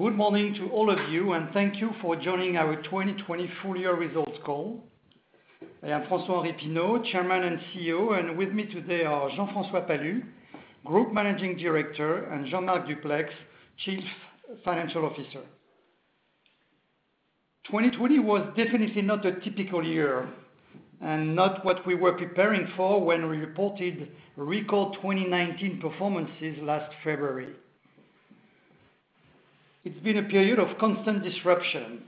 Good morning to all of you, and thank you for joining our 2020 full-year results call. I am François-Henri Pinault, Chairman and CEO, and with me today are Jean-François Palus, Group Managing Director, and Jean-Marc Duplaix, Chief Financial Officer. 2020 was definitely not a typical year and not what we were preparing for when we reported record 2019 performances last February. It's been a period of constant disruption.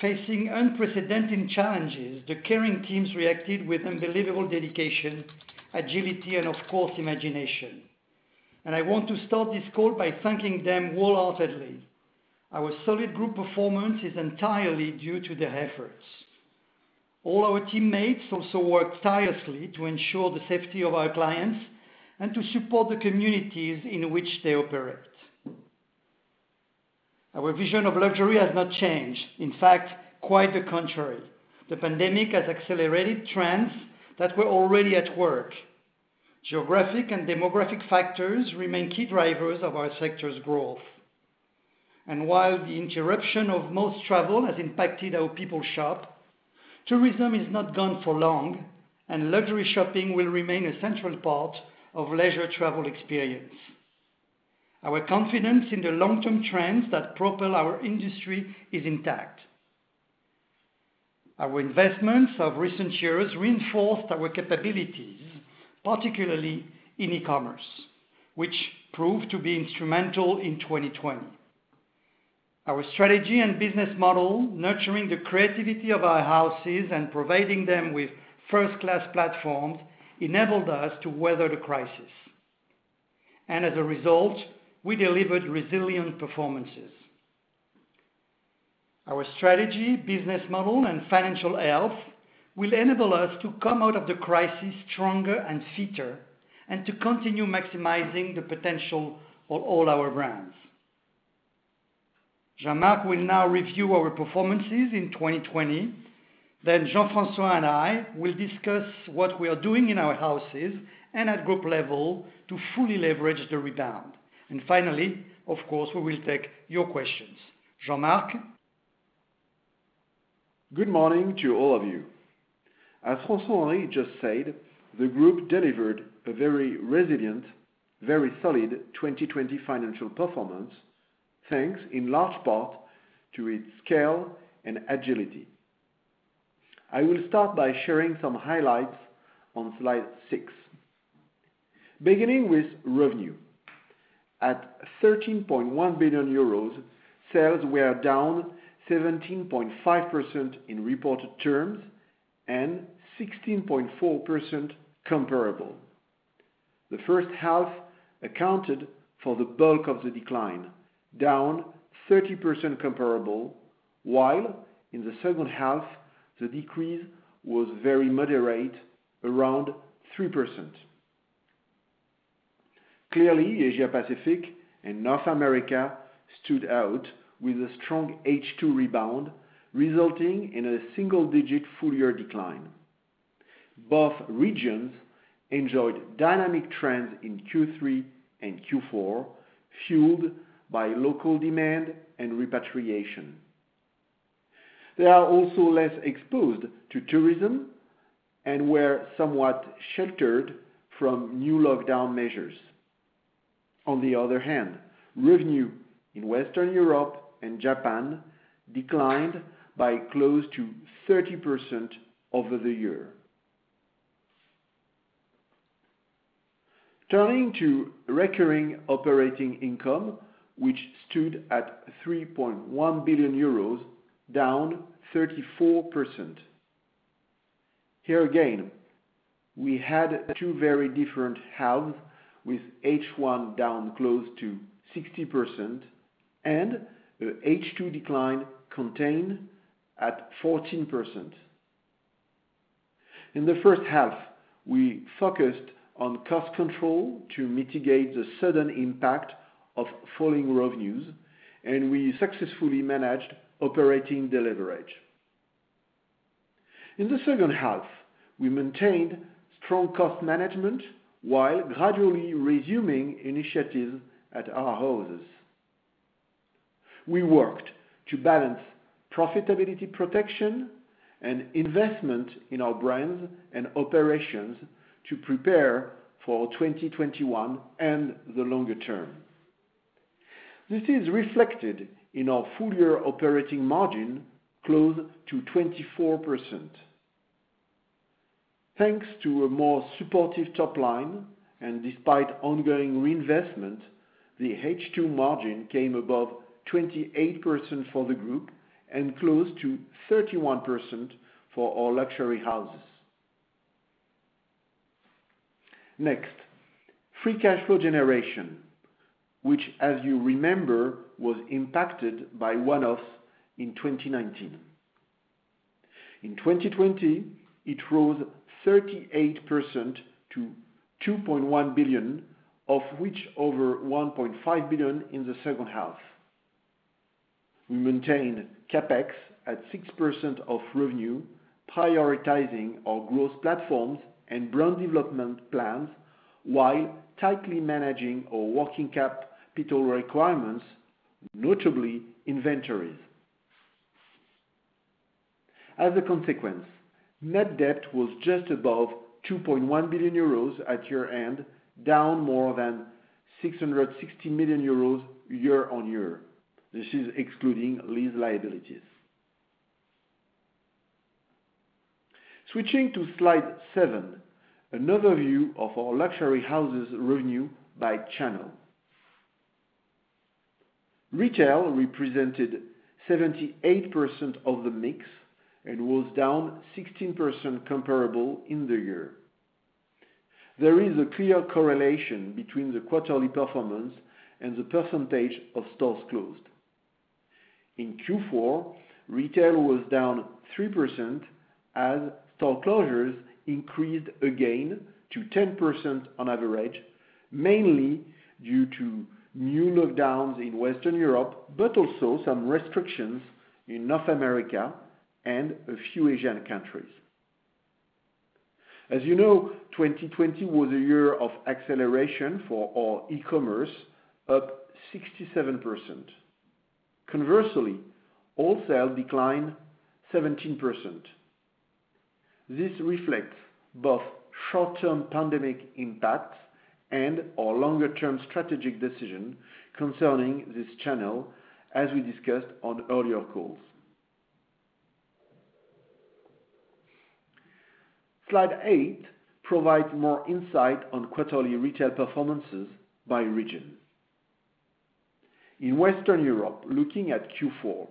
Facing unprecedented challenges, the Kering teams reacted with unbelievable dedication, agility, and of course, imagination. I want to start this call by thanking them wholeheartedly. Our solid group performance is entirely due to their efforts. All our teammates also worked tirelessly to ensure the safety of our clients and to support the communities in which they operate. Our vision of luxury has not changed. In fact, quite the contrary. The pandemic has accelerated trends that were already at work. Geographic and demographic factors remain key drivers of our sector's growth. While the interruption of most travel has impacted how people shop, tourism is not gone for long, and luxury shopping will remain a central part of leisure travel experience. Our confidence in the long-term trends that propel our industry is intact. Our investments of recent years reinforced our capabilities, particularly in e-commerce, which proved to be instrumental in 2020. Our strategy and business model, nurturing the creativity of our houses and providing them with first-class platforms, enabled us to weather the crisis. As a result, we delivered resilient performances. Our strategy, business model, and financial health will enable us to come out of the crisis stronger and fitter and to continue maximizing the potential of all our brands. Jean-Marc will now review our performances in 2020, then Jean-François and I will discuss what we are doing in our houses and at group level to fully leverage the rebound. Finally, of course, we will take your questions. Jean-Marc? Good morning to all of you. As François-Henri just said, the group delivered a very resilient, very solid 2020 financial performance, thanks in large part to its scale and agility. I will start by sharing some highlights on slide six. Beginning with revenue. At 13.1 billion euros, sales were down 17.5% in reported terms and 16.4% comparable. The first half accounted for the bulk of the decline, down 30% comparable, while in the second half, the decrease was very moderate, around 3%. Clearly, Asia-Pacific and North America stood out with a strong H2 rebound, resulting in a single-digit full-year decline. Both regions enjoyed dynamic trends in Q3 and Q4, fueled by local demand and repatriation. They are also less exposed to tourism and were somewhat sheltered from new lockdown measures. On the other hand, revenue in Western Europe and Japan declined by close to 30% over the year. Turning to recurring operating income, which stood at 3.1 billion euros, down 34%. Here again, we had two very different halves, with H1 down close to 60% and the H2 decline contained at 14%. In the first half, we focused on cost control to mitigate the sudden impact of falling revenues, and we successfully managed operating deleverage. In the second half, we maintained strong cost management while gradually resuming initiatives at our houses. We worked to balance profitability protection and investment in our brands and operations to prepare for 2021 and the longer term. This is reflected in our full-year operating margin close to 24%. Thanks to a more supportive top line and despite ongoing reinvestment, the H2 margin came above 28% for the group and close to 31% for our luxury houses. Next, free cash flow generation, which as you remember, was impacted by one-offs in 2019. In 2020, it rose 38% to 2.1 billion, of which over 1.5 billion in the second half. We maintained CapEx at 6% of revenue, prioritizing our growth platforms and brand development plans while tightly managing our working capital requirements, notably inventories. As a consequence, net debt was just above 2.1 billion euros at year-end, down more than 660 million euros year-on-year. This is excluding lease liabilities. Switching to slide seven, another view of our luxury houses revenue by channel. Retail represented 78% of the mix and was down 16% comparable in the year. There is a clear correlation between the quarterly performance and the percentage of stores closed. In Q4, retail was down 3% as store closures increased again to 10% on average, mainly due to new lockdowns in Western Europe, but also some restrictions in North America and a few Asian countries. As you know, 2020 was a year of acceleration for our e-commerce, up 67%. Conversely, wholesale declined 17%. This reflects both short-term pandemic impacts and our longer-term strategic decision concerning this channel, as we discussed on earlier calls. Slide eight provides more insight on quarterly retail performances by region. In Western Europe, looking at Q4,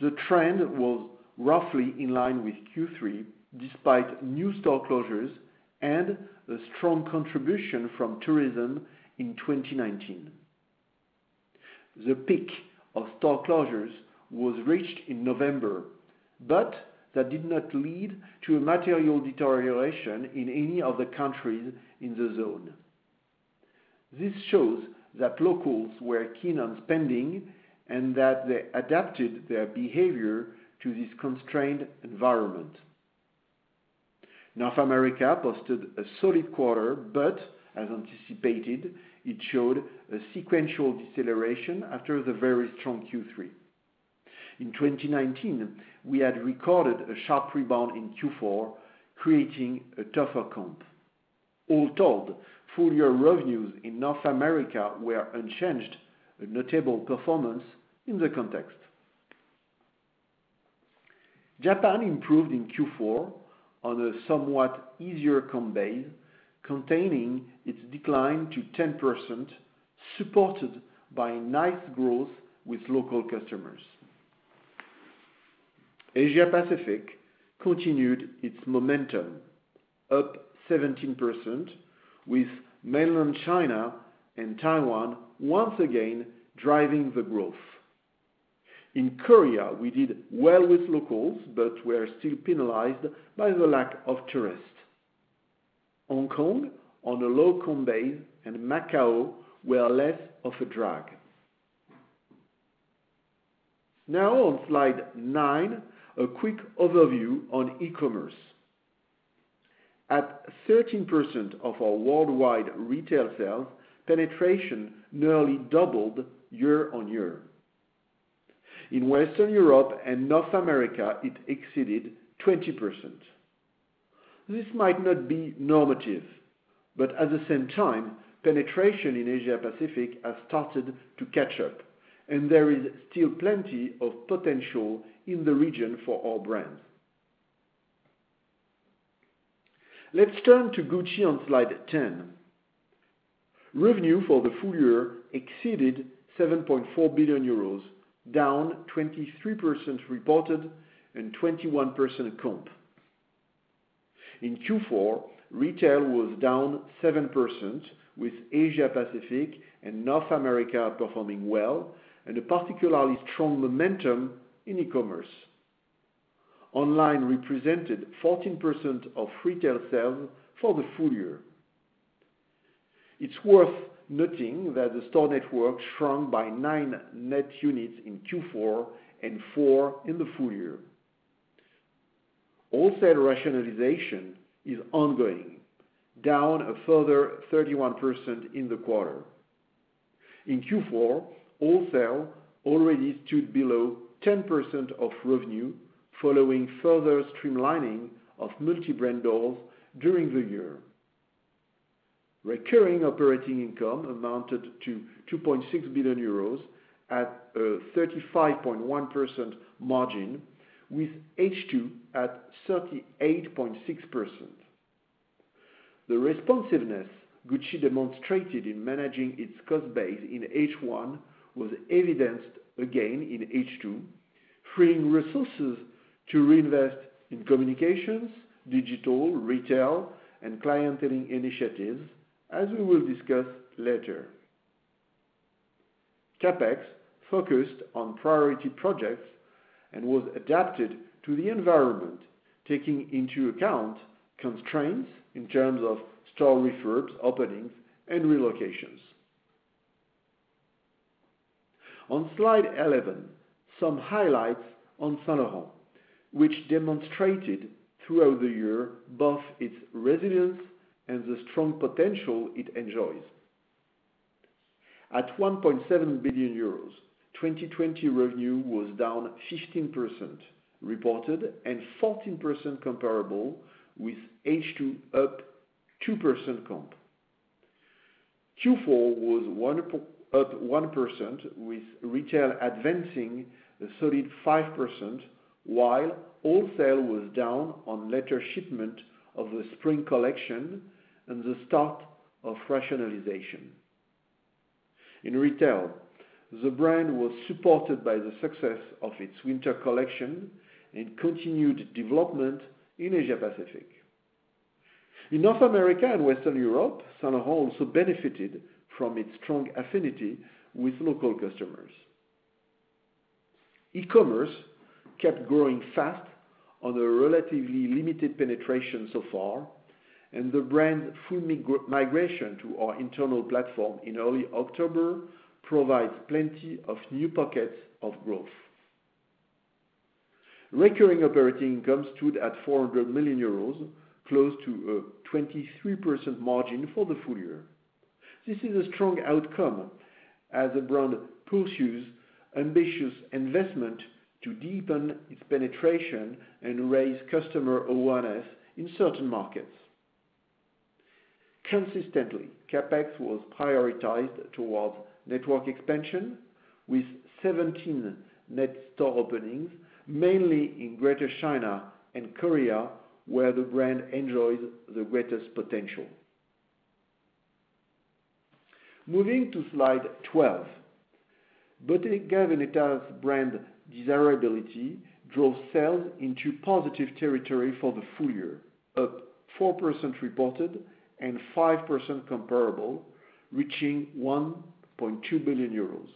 the trend was roughly in line with Q3, despite new store closures and a strong contribution from tourism in 2019. The peak of store closures was reached in November, but that did not lead to a material deterioration in any of the countries in the zone. This shows that locals were keen on spending and that they adapted their behavior to this constrained environment. North America posted a solid quarter, but as anticipated, it showed a sequential deceleration after the very strong Q3. In 2019, we had recorded a sharp rebound in Q4, creating a tougher comp. All told, full-year revenues in North America were unchanged, a notable performance in the context. Japan improved in Q4 on a somewhat easier comp base, containing its decline to 10%, supported by nice growth with local customers. Asia-Pacific continued its momentum, up 17%, with mainland China and Taiwan once again driving the growth. In Korea, we did well with locals, but we are still penalized by the lack of tourists. Hong Kong on a low comp base, and Macau were less of a drag. On slide nine, a quick overview on e-commerce. At 13% of our worldwide retail sales, penetration nearly doubled year-on-year. In Western Europe and North America, it exceeded 20%. This might not be normative, but at the same time, penetration in Asia-Pacific has started to catch up, and there is still plenty of potential in the region for our brands. Let's turn to Gucci on slide 10. Revenue for the full year exceeded 7.4 billion euros, down 23% reported and 21% comp. In Q4, retail was down 7%, with Asia-Pacific and North America performing well and a particularly strong momentum in e-commerce. Online represented 14% of retail sales for the full year. It's worth noting that the store network shrunk by nine net units in Q4 and four in the full year. Wholesale rationalization is ongoing, down a further 31% in the quarter. In Q4, wholesale already stood below 10% of revenue following further streamlining of multi-brand doors during the year. Recurring operating income amounted to 2.6 billion euros at a 35.1% margin, with H2 at 38.6%. The responsiveness Gucci demonstrated in managing its cost base in H1 was evidenced again in H2, freeing resources to reinvest in communications, digital, retail, and clienteling initiatives, as we will discuss later. CapEx focused on priority projects and was adapted to the environment, taking into account constraints in terms of store refurbs, openings, and relocations. On slide 11, some highlights on Saint Laurent, which demonstrated throughout the year both its resilience and the strong potential it enjoys. At 1.7 billion euros, 2020 revenue was down 15% reported and 14% comparable with H2 up 2% comp. Q4 was up 1% with retail advancing a solid 5%, while wholesale was down on later shipment of the spring collection and the start of rationalization. In retail, the brand was supported by the success of its winter collection and continued development in Asia-Pacific. In North America and Western Europe, Saint Laurent also benefited from its strong affinity with local customers. E-commerce kept growing fast on a relatively limited penetration so far, and the brand full migration to our internal platform in early October provides plenty of new pockets of growth. Recurring operating income stood at 400 million euros, close to a 23% margin for the full year. This is a strong outcome as the brand pursues ambitious investment to deepen its penetration and raise customer awareness in certain markets. Consistently, CapEx was prioritized towards network expansion with 17 net store openings, mainly in Greater China and Korea, where the brand enjoys the greatest potential. Moving to slide 12. Bottega Veneta's brand desirability drove sales into positive territory for the full year, up 4% reported and 5% comparable, reaching 1.2 billion euros.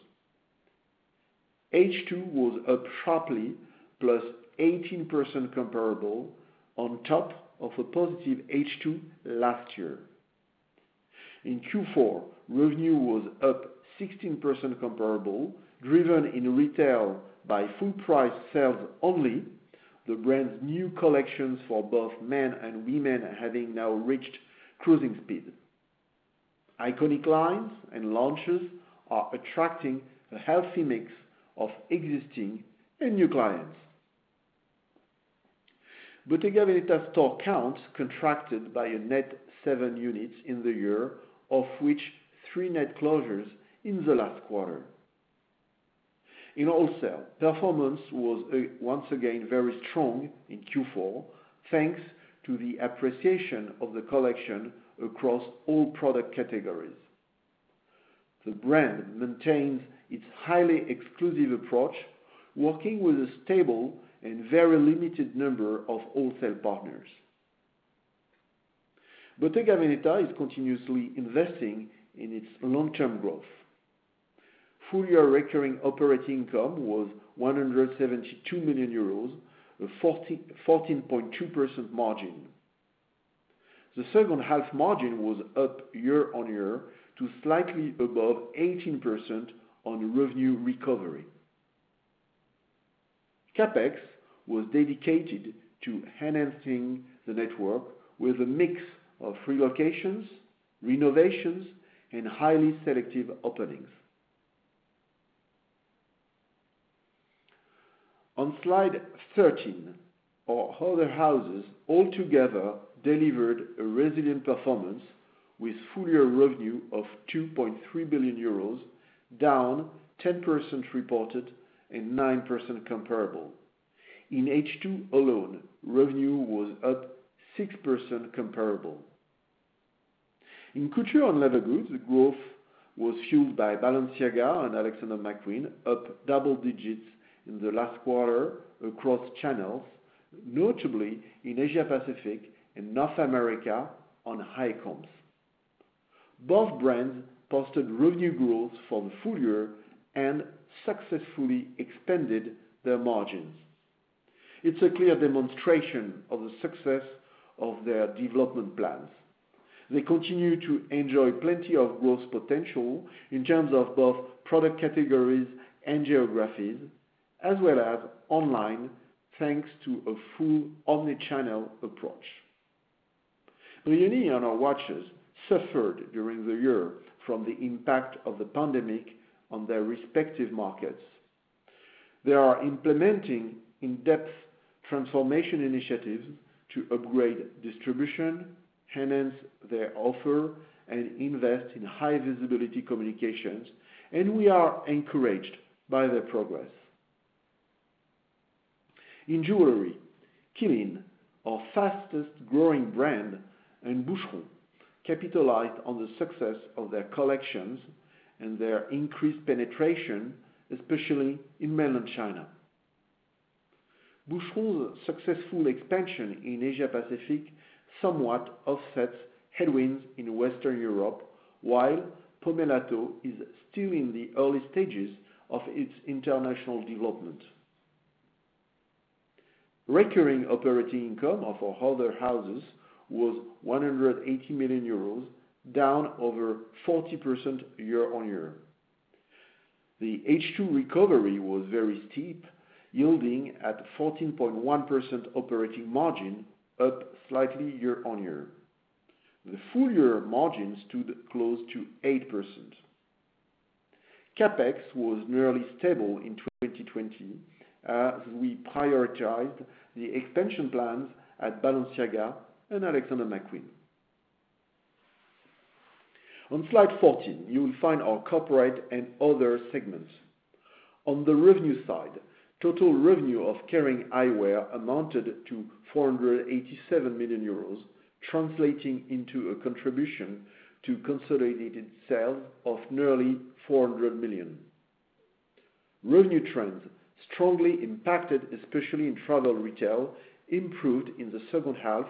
H2 was up sharply, plus 18% comparable on top of a positive H2 last year. In Q4, revenue was up 16% comparable, driven in retail by full price sales only. The brand's new collections for both men and women are having now reached cruising speed. Iconic lines and launches are attracting a healthy mix of existing and new clients. Bottega Veneta store counts contracted by a net seven units in the year, of which three net closures in the last quarter. In wholesale, performance was once again very strong in Q4 thanks to the appreciation of the collection across all product categories. The brand maintains its highly exclusive approach, working with a stable and very limited number of wholesale partners. Bottega Veneta is continuously investing in its long-term growth. Full-year recurring operating income was 172 million euros, a 14.2% margin. The second half margin was up year-on-year to slightly above 18% on revenue recovery. CapEx was dedicated to enhancing the network with a mix of relocations, renovations and highly selective openings. On slide 13, our other houses all together delivered a resilient performance with full-year revenue of 2.3 billion euros, down 10% reported and 9% comparable. In H2 alone, revenue was up 6% comparable. In couture and leather goods, growth was fueled by Balenciaga and Alexander McQueen, up double digits in the last quarter across channels, notably in Asia-Pacific and North America on high comps. Both brands posted revenue growth for the full year and successfully expanded their margins. It's a clear demonstration of the success of their development plans. They continue to enjoy plenty of growth potential in terms of both product categories and geographies, as well as online, thanks to a full omni-channel approach. Boucheron and our watches suffered during the year from the impact of the pandemic on their respective markets. They are implementing in-depth transformation initiatives to upgrade distribution, enhance their offer, and invest in high visibility communications. We are encouraged by their progress. In jewelry, Qeelin, our fastest growing brand, and Boucheron capitalized on the success of their collections and their increased penetration, especially in Mainland China. Boucheron's successful expansion in Asia-Pacific somewhat offsets headwinds in Western Europe, while Pomellato is still in the early stages of its international development. Recurring operating income of our Other Houses was 180 million euros, down over 40% year-on-year. The H2 recovery was very steep, yielding at 14.1% operating margin, up slightly year-on-year. The full year margin stood close to 8%. CapEx was nearly stable in 2020, as we prioritized the expansion plans at Balenciaga and Alexander McQueen. On slide 14, you will find our Corporate and Other segments. On the revenue side, total revenue of Kering Eyewear amounted to 487 million euros, translating into a contribution to consolidated sales of nearly 400 million. Revenue trends, strongly impacted especially in travel retail, improved in the second half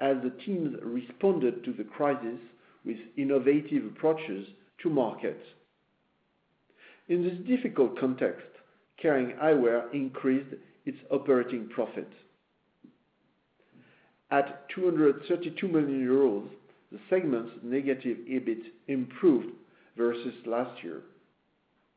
as the teams responded to the crisis with innovative approaches to market. In this difficult context, Kering Eyewear increased its operating profit. At 232 million euros, the segment's negative EBIT improved versus last year.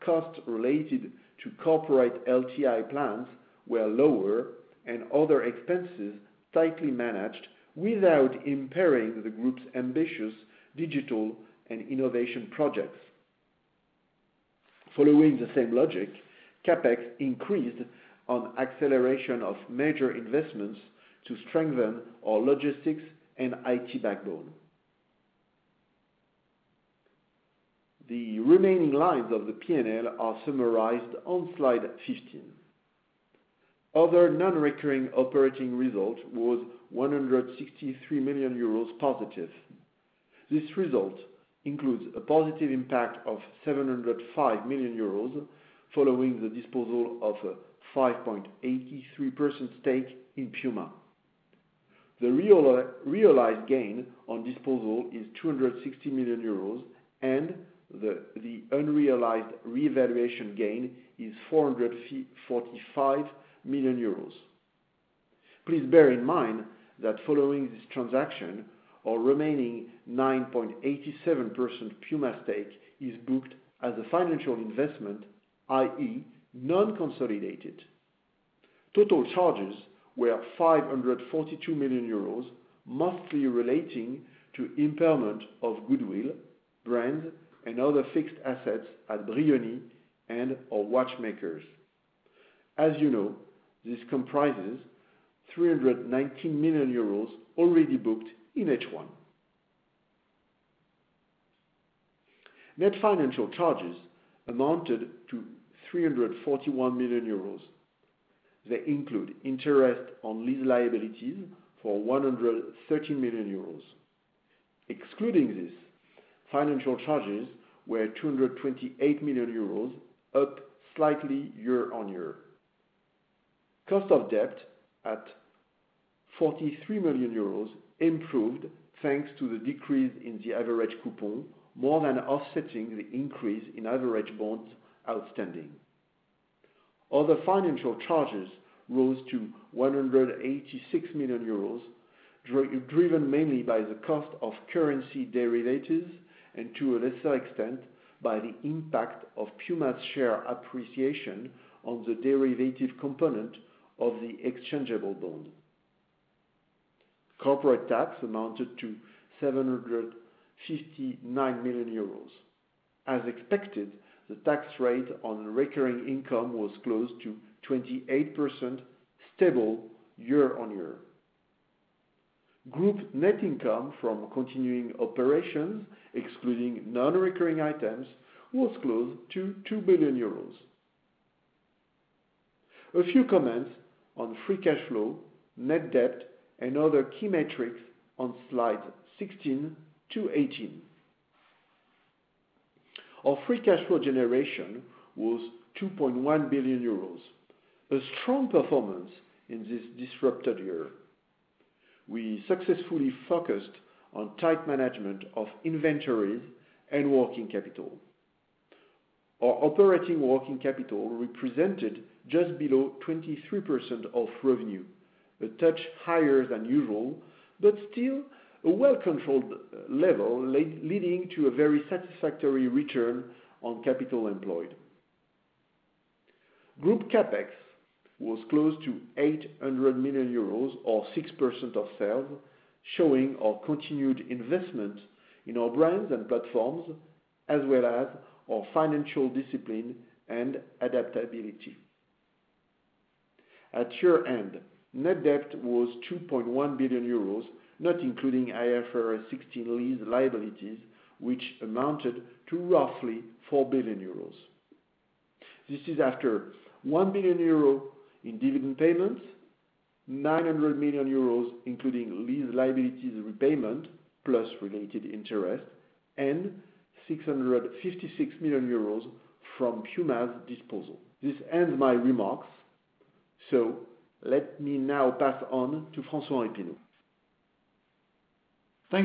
Costs related to corporate LTI plans were lower and other expenses tightly managed without impairing the group's ambitious digital and innovation projects. Following the same logic, CapEx increased on acceleration of major investments to strengthen our logistics and IT backbone. The remaining lines of the P&L are summarized on slide 15. Other non-recurring operating result was 163 million euros positive. This result includes a positive impact of 705 million euros, following the disposal of a 5.83% stake in Puma. The realized gain on disposal is 260 million euros and the unrealized revaluation gain is 445 million euros. Please bear in mind that following this transaction, our remaining 9.87% Puma stake is booked as a financial investment, i.e., non-consolidated. Total charges were 542 million euros, mostly relating to impairment of goodwill, brand, and other fixed assets at Brioni and our watchmakers. As you know, this comprises 319 million euros already booked in H1. Net financial charges amounted to 341 million euros. They include interest on lease liabilities for 113 million euros. Excluding this, financial charges were 228 million euros, up slightly year-on-year. Cost of debt at 43 million euros improved, thanks to the decrease in the average coupon, more than offsetting the increase in average bonds outstanding. Other financial charges rose to 186 million euros, driven mainly by the cost of currency derivatives and, to a lesser extent, by the impact of Puma's share appreciation on the derivative component of the exchangeable bond. Corporate tax amounted to 759 million euros. As expected, the tax rate on recurring income was close to 28%, stable year-on-year. Group net income from continuing operations, excluding non-recurring items, was close to 2 billion euros. A few comments on free cash flow, net debt, and other key metrics on slides 16 to 18. Our free cash flow generation was 2.1 billion euros, a strong performance in this disrupted year. We successfully focused on tight management of inventories and working capital. Our operating working capital represented just below 23% of revenue, a touch higher than usual, but still a well-controlled level, leading to a very satisfactory return on capital employed. Group CapEx was close to 800 million euros or 6% of sales, showing our continued investment in our brands and platforms, as well as our financial discipline and adaptability. At year-end, net debt was 2.1 billion euros, not including IFRS 16 lease liabilities, which amounted to roughly 4 billion euros. This is after 1 billion euro in dividend payments, 900 million euros, including lease liabilities repayment plus related interest, and 656 million euros from Puma's disposal. This ends my remarks, so let me now pass on to François-Henri Pinault. Thank you, Jean-Marc. I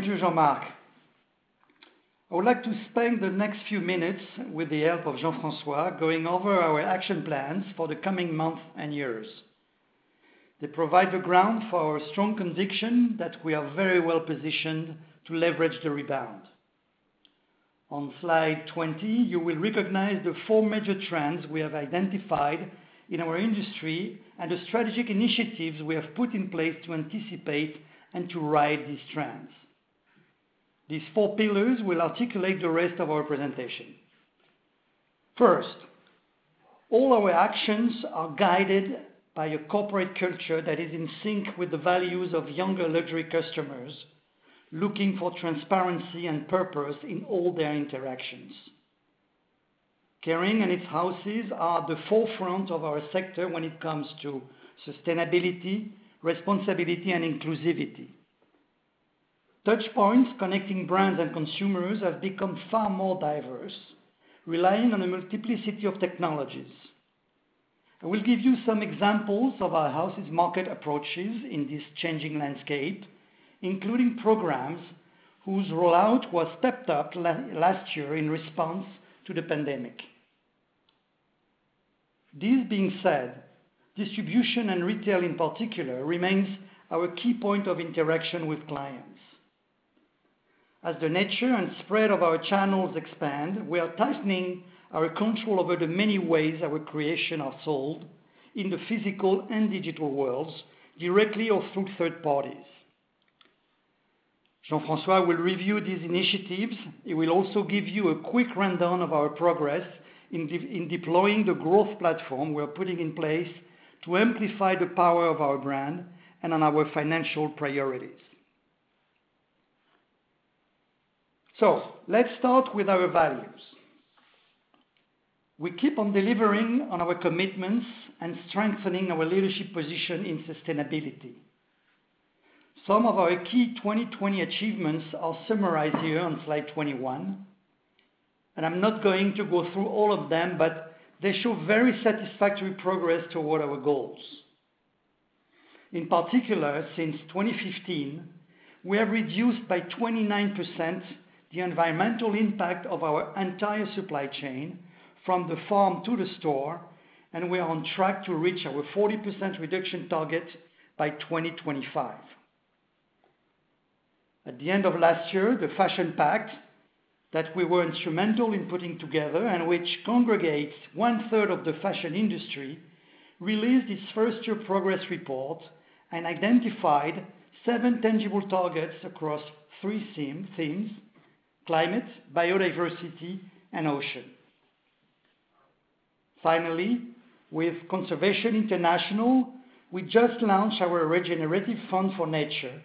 would like to spend the next few minutes, with the help of Jean-François, going over our action plans for the coming months and years. They provide the ground for our strong conviction that we are very well-positioned to leverage the rebound. On slide 20, you will recognize the four major trends we have identified in our industry and the strategic initiatives we have put in place to anticipate and to ride these trends. These four pillars will articulate the rest of our presentation. All our actions are guided by a corporate culture that is in sync with the values of younger luxury customers looking for transparency and purpose in all their interactions. Kering and its houses are at the forefront of our sector when it comes to sustainability, responsibility, and inclusivity. Touchpoints connecting brands and consumers have become far more diverse, relying on a multiplicity of technologies. I will give you some examples of our houses' market approaches in this changing landscape, including programs whose rollout was stepped up last year in response to the pandemic. This being said, distribution and retail in particular remains our key point of interaction with clients. As the nature and spread of our channels expand, we are tightening our control over the many ways our creation are sold in the physical and digital worlds, directly or through third parties. Jean-François will review these initiatives. He will also give you a quick rundown of our progress in deploying the growth platform we're putting in place to amplify the power of our brand and on our financial priorities. Let's start with our values. We keep on delivering on our commitments and strengthening our leadership position in sustainability. Some of our key 2020 achievements are summarized here on slide 21. I'm not going to go through all of them, they show very satisfactory progress toward our goals. In particular, since 2015, we have reduced by 29% the environmental impact of our entire supply chain, from the farm to the store. We are on track to reach our 40% reduction target by 2025. At the end of last year, the Fashion Pact, that we were instrumental in putting together and which congregates one-third of the fashion industry, released its first-year progress report and identified seven tangible targets across three themes: climate, biodiversity, and ocean. Finally, with Conservation International, we just launched our Regenerative Fund for Nature,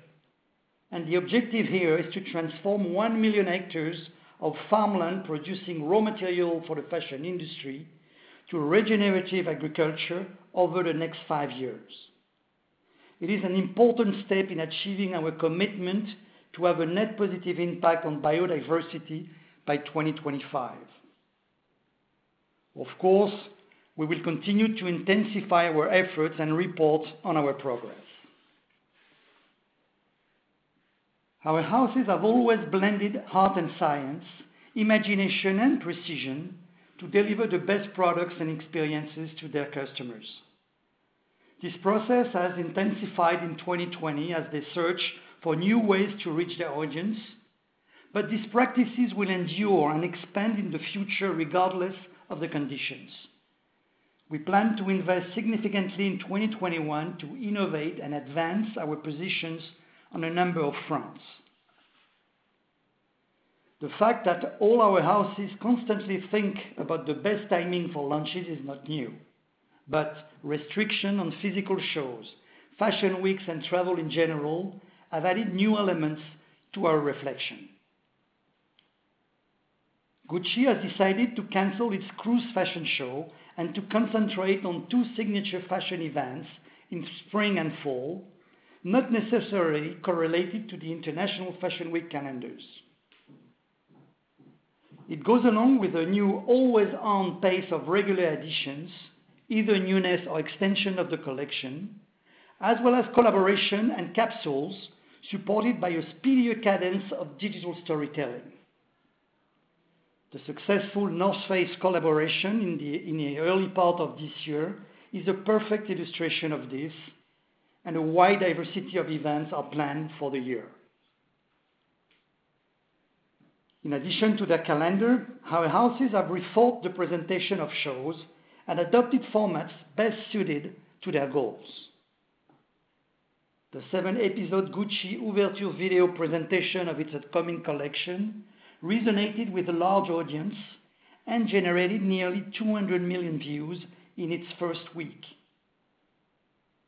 and the objective here is to transform 1 million hectares of farmland producing raw material for the fashion industry to regenerative agriculture over the next five years. It is an important step in achieving our commitment to have a net positive impact on biodiversity by 2025. Of course, we will continue to intensify our efforts and report on our progress. Our houses have always blended art and science, imagination and precision to deliver the best products and experiences to their customers. This process has intensified in 2020 as they search for new ways to reach their audience. These practices will endure and expand in the future regardless of the conditions. We plan to invest significantly in 2021 to innovate and advance our positions on a number of fronts. The fact that all our houses constantly think about the best timing for launches is not new, but restriction on physical shows, fashion weeks, and travel in general have added new elements to our reflection. Gucci has decided to cancel its cruise fashion show and to concentrate on two signature fashion events in spring and fall, not necessarily correlated to the International Fashion Week calendars. It goes along with a new always-on pace of regular editions, either newness or extension of the collection, as well as collaboration and capsules supported by a speedier cadence of digital storytelling. The successful North Face collaboration in the early part of this year is a perfect illustration of this, and a wide diversity of events are planned for the year. In addition to their calendar, our houses have rethought the presentation of shows and adopted formats best suited to their goals. The seven-episode Gucci Ouverture video presentation of its upcoming collection resonated with a large audience and generated nearly 200 million views in its first week.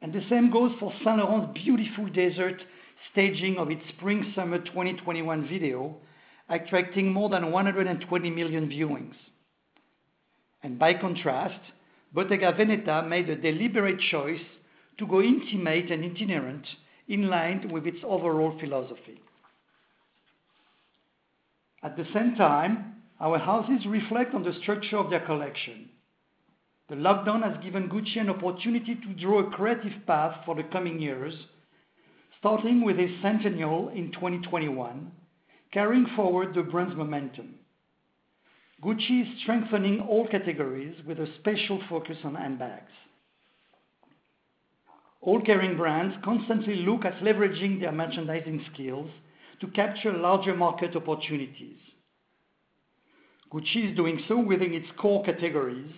The same goes for Saint Laurent's beautiful desert staging of its spring-summer 2021 video, attracting more than 120 million viewings. By contrast, Bottega Veneta made a deliberate choice to go intimate and itinerant in line with its overall philosophy. At the same time, our houses reflect on the structure of their collection. The lockdown has given Gucci an opportunity to draw a creative path for the coming years, starting with its centennial in 2021, carrying forward the brand's momentum. Gucci is strengthening all categories with a special focus on handbags. All Kering brands constantly look at leveraging their merchandising skills to capture larger market opportunities. Gucci is doing so within its core categories,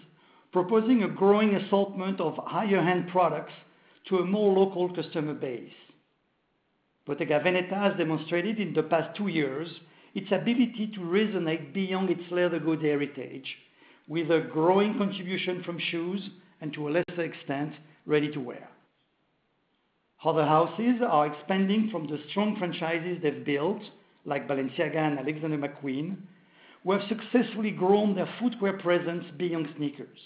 proposing a growing assortment of higher-end products to a more local customer base. Bottega Veneta has demonstrated in the past two years, its ability to resonate beyond its leather goods heritage, with a growing contribution from shoes and, to a lesser extent, ready-to-wear. Other houses are expanding from the strong franchises they've built, like Balenciaga and Alexander McQueen, who have successfully grown their footwear presence beyond sneakers.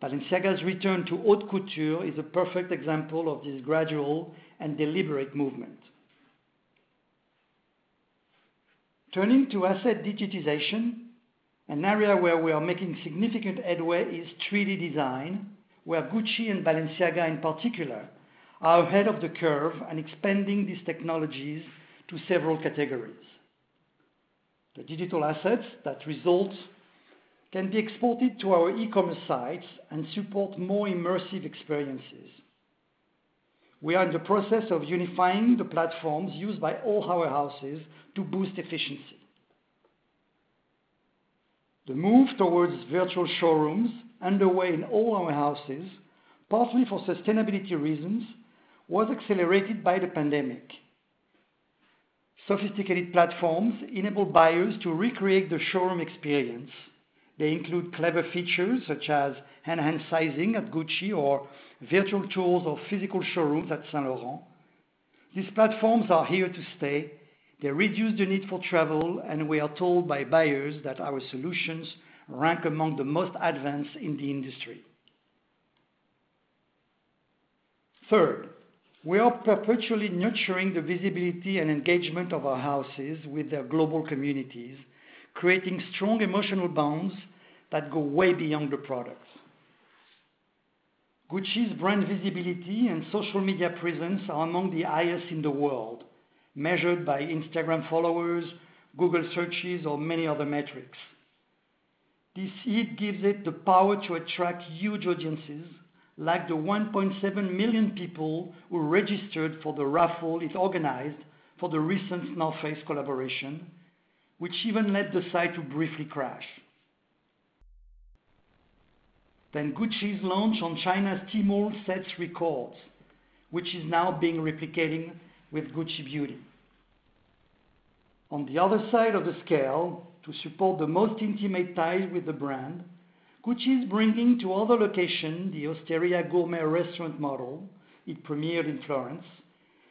Balenciaga's return to haute couture is a perfect example of this gradual and deliberate movement. Turning to asset digitization, an area where we are making significant headway is 3D design, where Gucci and Balenciaga, in particular, are ahead of the curve and expanding these technologies to several categories. The digital assets that result can be exported to our e-commerce sites and support more immersive experiences. We are in the process of unifying the platforms used by all our houses to boost efficiency. The move towards virtual showrooms, underway in all our houses, partly for sustainability reasons, was accelerated by the pandemic. Sophisticated platforms enable buyers to recreate the showroom experience. They include clever features such as enhanced sizing at Gucci or virtual tours of physical showrooms at Saint Laurent. These platforms are here to stay. They reduce the need for travel. We are told by buyers that our solutions rank among the most advanced in the industry. Third, we are perpetually nurturing the visibility and engagement of our houses with their global communities, creating strong emotional bonds that go way beyond the product. Gucci's brand visibility and social media presence are among the highest in the world, measured by Instagram followers, Google searches, or many other metrics. This heat gives it the power to attract huge audiences, like the 1.7 million people who registered for the raffle it organized for the recent The North Face collaboration, which even led the site to briefly crash. Gucci's launch on China's Tmall sets records, which is now being replicated with Gucci Beauty. On the other side of the scale, to support the most intimate ties with the brand, Gucci is bringing to other locations the Osteria gourmet restaurant model it premiered in Florence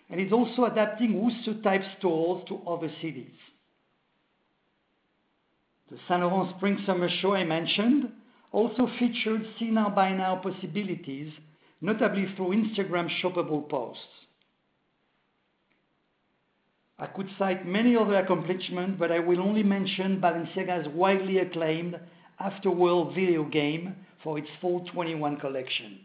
and is also adapting Wooster-type stores to other cities. The Saint Laurent Spring-Summer show I mentioned also featured see-now-buy-now possibilities, notably through Instagram shoppable posts. I could cite many other accomplishments, but I will only mention Balenciaga's widely acclaimed Afterworld video game for its fall 2021 collection.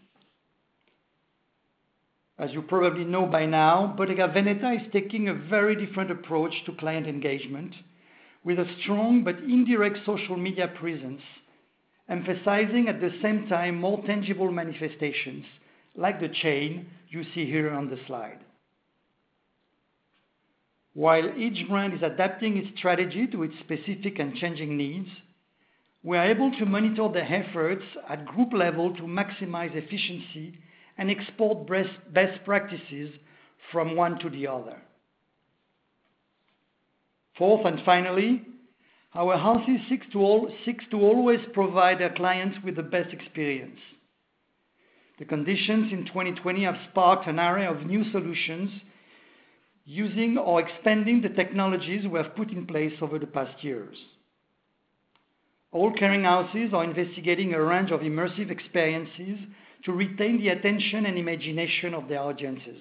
As you probably know by now, Bottega Veneta is taking a very different approach to client engagement with a strong but indirect social media presence, emphasizing, at the same time, more tangible manifestations, like the chain you see here on the slide. While each brand is adapting its strategy to its specific and changing needs, we are able to monitor their efforts at group level to maximize efficiency and export best practices from one to the other. Fourth, finally, our houses seek to always provide their clients with the best experience. The conditions in 2020 have sparked an array of new solutions using or expanding the technologies we have put in place over the past years. All Kering houses are investigating a range of immersive experiences to retain the attention and imagination of their audiences.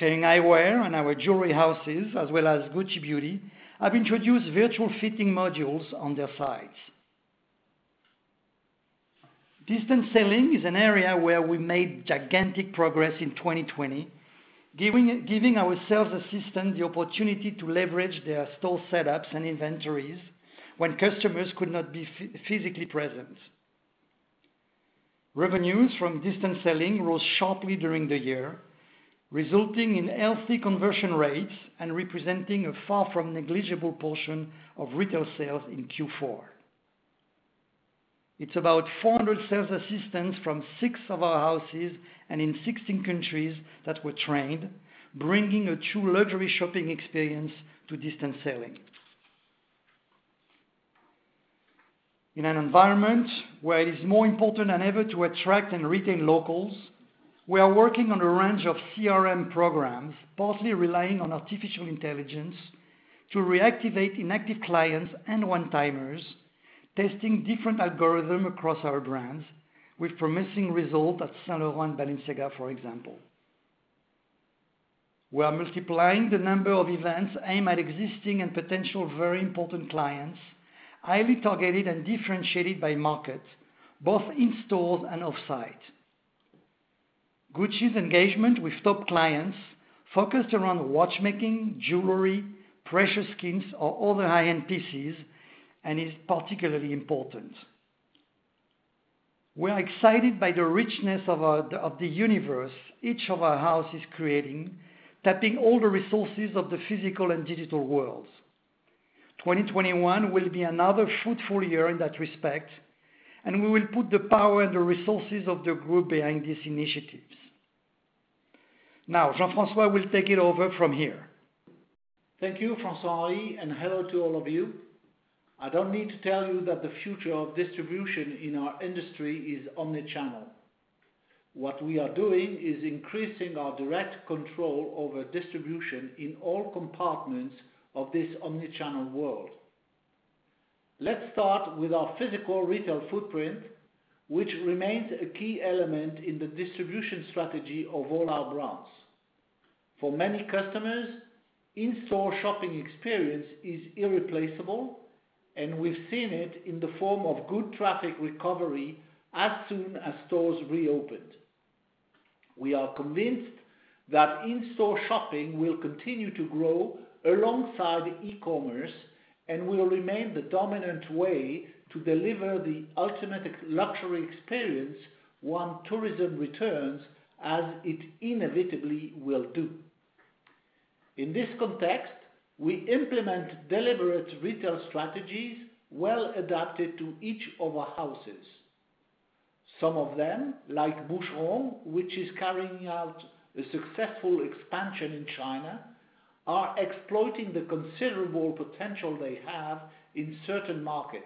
Kering Eyewear and our jewelry houses, as well as Gucci Beauty, have introduced virtual fitting modules on their sites. Distance selling is an area where we made gigantic progress in 2020, giving our sales assistants the opportunity to leverage their store setups and inventories when customers could not be physically present. Revenues from distance selling rose sharply during the year, resulting in healthy conversion rates and representing a far from negligible portion of retail sales in Q4. It's about 400 sales assistants from six of our houses and in 16 countries that were trained, bringing a true luxury shopping experience to distance selling. In an environment where it is more important than ever to attract and retain locals, we are working on a range of CRM programs, partly relying on artificial intelligence, to reactivate inactive clients and one-timers, testing different algorithm across our brands with promising results at Saint Laurent and Balenciaga, for example. We are multiplying the number of events aimed at existing and potential very important clients, highly targeted and differentiated by market, both in stores and offsite. Gucci's engagement with top clients focused around watchmaking, jewelry, precious skins, or other high-end pieces and is particularly important. We're excited by the richness of the universe each of our house is creating, tapping all the resources of the physical and digital worlds. 2021 will be another fruitful year in that respect, we will put the power and the resources of the group behind these initiatives. Now, Jean-François will take it over from here. Thank you, François-Henri, and hello to all of you. I don't need to tell you that the future of distribution in our industry is omnichannel. What we are doing is increasing our direct control over distribution in all compartments of this omnichannel world. Let's start with our physical retail footprint, which remains a key element in the distribution strategy of all our brands. For many customers, in-store shopping experience is irreplaceable, and we've seen it in the form of good traffic recovery as soon as stores reopened. We are convinced that in-store shopping will continue to grow alongside e-commerce and will remain the dominant way to deliver the ultimate luxury experience once tourism returns, as it inevitably will do. In this context, we implement deliberate retail strategies well-adapted to each of our houses. Some of them, like Boucheron, which is carrying out a successful expansion in China, are exploiting the considerable potential they have in certain markets.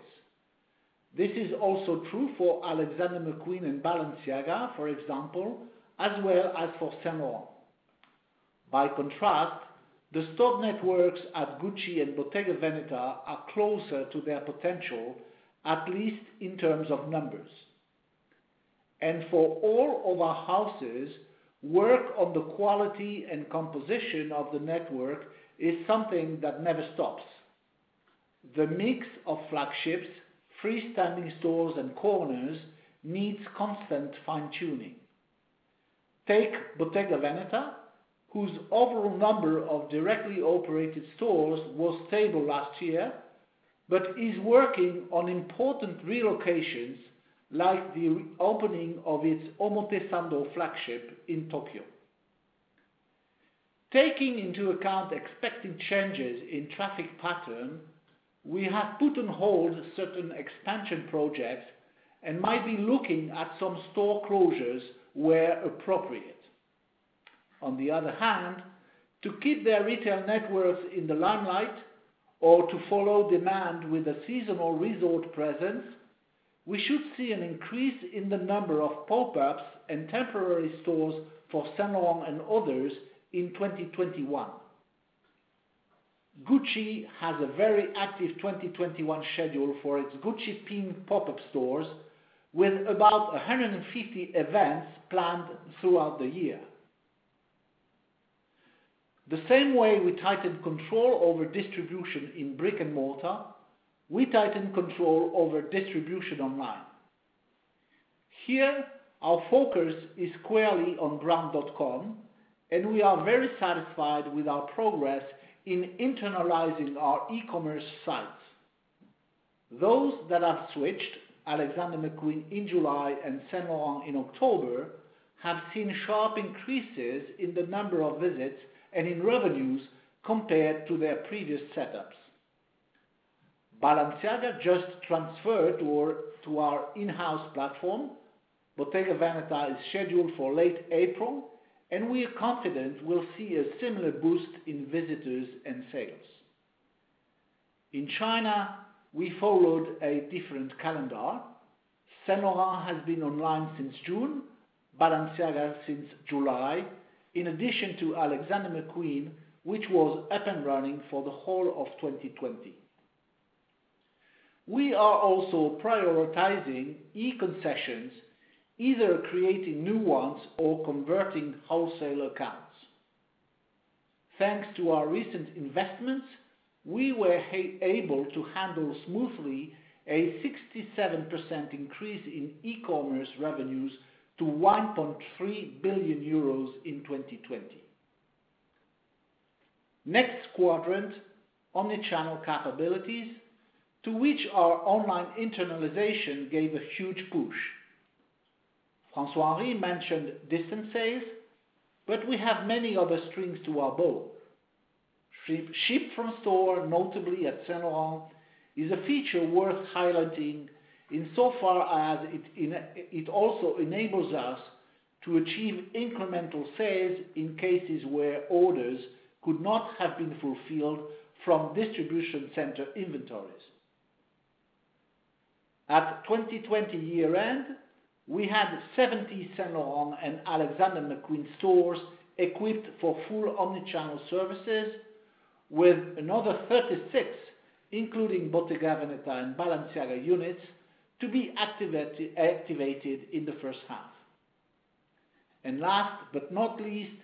This is also true for Alexander McQueen and Balenciaga, for example, as well as for Saint Laurent. By contrast, the store networks at Gucci and Bottega Veneta are closer to their potential, at least in terms of numbers. For all of our houses, work on the quality and composition of the network is something that never stops. The mix of flagships, freestanding stores, and corners needs constant fine-tuning. Take Bottega Veneta, whose overall number of directly operated stores was stable last year, but is working on important relocations, like the opening of its Omotesando flagship in Tokyo. Taking into account expected changes in traffic pattern, we have put on hold certain expansion projects and might be looking at some store closures where appropriate. To keep their retail networks in the limelight or to follow demand with a seasonal resort presence, we should see an increase in the number of pop-ups and temporary stores for Saint Laurent and others in 2021. Gucci has a very active 2021 schedule for its Gucci Pin pop-up stores, with about 150 events planned throughout the year. The same way we tighten control over distribution in brick-and-mortar, we tighten control over distribution online. Our focus is squarely on brand.com, and we are very satisfied with our progress in internalizing our e-commerce sites. Those that have switched, Alexander McQueen in July and Saint Laurent in October, have seen sharp increases in the number of visits and in revenues compared to their previous setups. Balenciaga just transferred to our in-house platform. Bottega Veneta is scheduled for late April, and we are confident we'll see a similar boost in visitors and sales. In China, we followed a different calendar. Saint Laurent has been online since June, Balenciaga since July, in addition to Alexander McQueen, which was up and running for the whole of 2020. We are also prioritizing e-concessions, either creating new ones or converting wholesale accounts. Thanks to our recent investments, we were able to handle smoothly a 67% increase in e-commerce revenues to 1.3 billion euros in 2020. Next quadrant, omnichannel capabilities, to which our online internalization gave a huge push. François-Henri mentioned distance sales, but we have many other strings to our bow. Ship from store, notably at Saint Laurent, is a feature worth highlighting insofar as it also enables us to achieve incremental sales in cases where orders could not have been fulfilled from distribution center inventories. At 2020 year-end, we had 70 Saint Laurent and Alexander McQueen stores equipped for full omni-channel services with another 36, including Bottega Veneta and Balenciaga units, to be activated in the first half. Last but not least,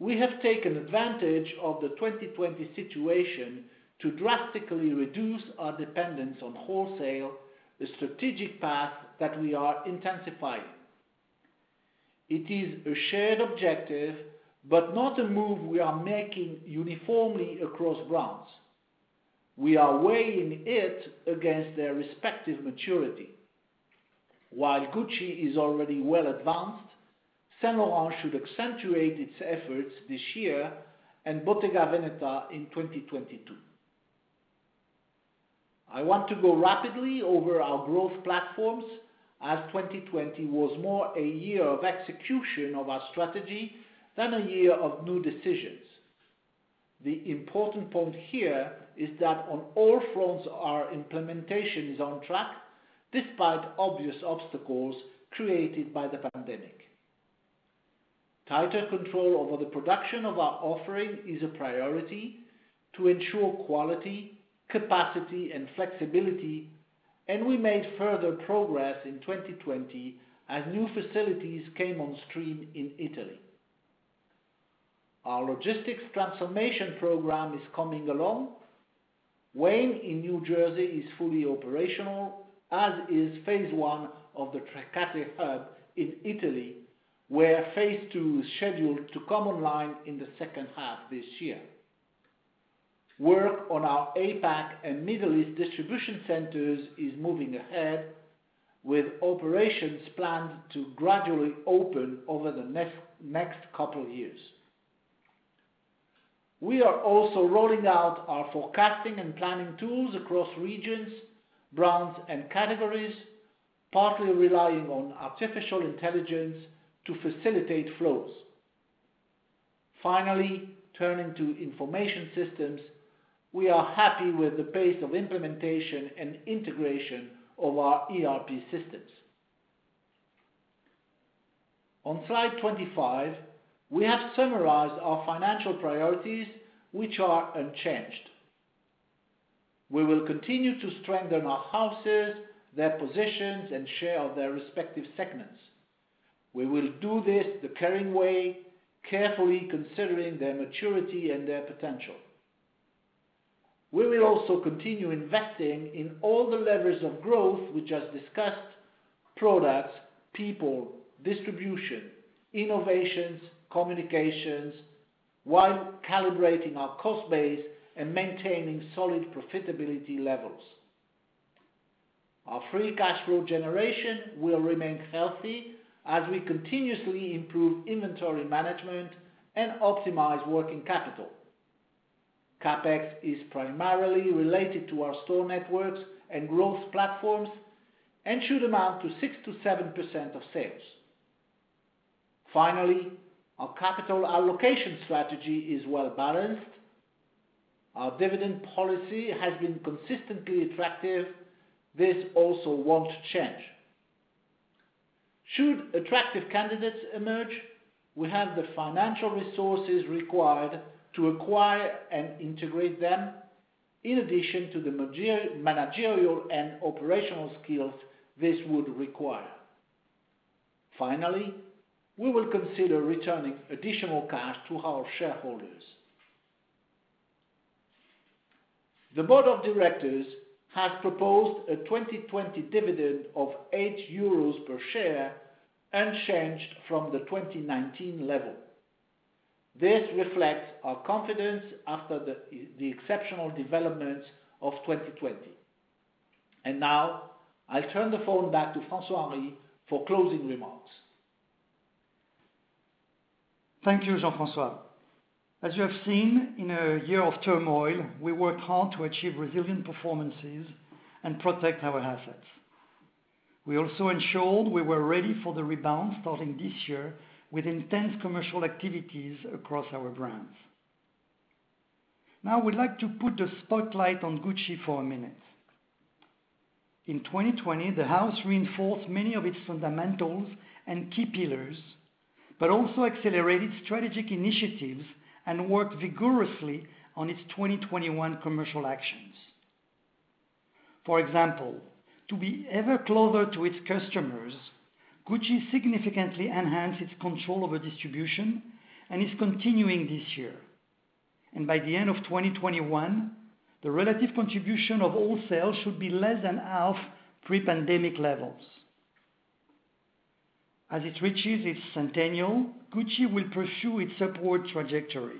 we have taken advantage of the 2020 situation to drastically reduce our dependence on wholesale, a strategic path that we are intensifying. It is a shared objective, but not a move we are making uniformly across brands. We are weighing it against their respective maturity. While Gucci is already well advanced, Saint Laurent should accentuate its efforts this year and Bottega Veneta in 2022. I want to go rapidly over our growth platforms as 2020 was more a year of execution of our strategy than a year of new decisions. The important point here is that on all fronts, our implementation is on track despite obvious obstacles created by the pandemic. Tighter control over the production of our offering is a priority to ensure quality, capacity, and flexibility, and we made further progress in 2020 as new facilities came on stream in Italy. Our logistics transformation program is coming along. Wayne in New Jersey is fully operational, as is phase I of the Trecate hub in Italy, where phase II is scheduled to come online in the second half this year. Work on our APAC and Middle East distribution centers is moving ahead with operations planned to gradually open over the next couple of years. We are also rolling out our forecasting and planning tools across regions, brands, and categories, partly relying on artificial intelligence to facilitate flows. Finally, turning to information systems, we are happy with the pace of implementation and integration of our ERP systems. On slide 25, we have summarized our financial priorities, which are unchanged. We will continue to strengthen our houses, their positions, and share of their respective segments. We will do this the Kering way, carefully considering their maturity and their potential. We will also continue investing in all the levers of growth we just discussed: products, people, distribution, innovations, communications, while calibrating our cost base and maintaining solid profitability levels. Our free cash flow generation will remain healthy as we continuously improve inventory management and optimize working capital. CapEx is primarily related to our store networks and growth platforms and should amount to 6%-7% of sales. Finally, our capital allocation strategy is well-balanced. Our dividend policy has been consistently attractive. This also won't change. Should attractive candidates emerge, we have the financial resources required to acquire and integrate them, in addition to the managerial and operational skills this would require. Finally, we will consider returning additional cash to our shareholders. The board of directors has proposed a 2020 dividend of 8 euros per share, unchanged from the 2019 level. This reflects our confidence after the exceptional developments of 2020. Now I'll turn the floor back to François-Henri for closing remarks. Thank you, Jean-François. As you have seen, in a year of turmoil, we worked hard to achieve resilient performances and protect our assets. We also ensured we were ready for the rebound starting this year with intense commercial activities across our brands. I would like to put the spotlight on Gucci for a minute. In 2020, the house reinforced many of its fundamentals and key pillars, but also accelerated strategic initiatives and worked vigorously on its 2021 commercial actions. For example, to be ever closer to its customers, Gucci significantly enhanced its control over distribution and is continuing this year. By the end of 2021, the relative contribution of wholesale should be less than half pre-pandemic levels. As it reaches its centennial, Gucci will pursue its upward trajectory.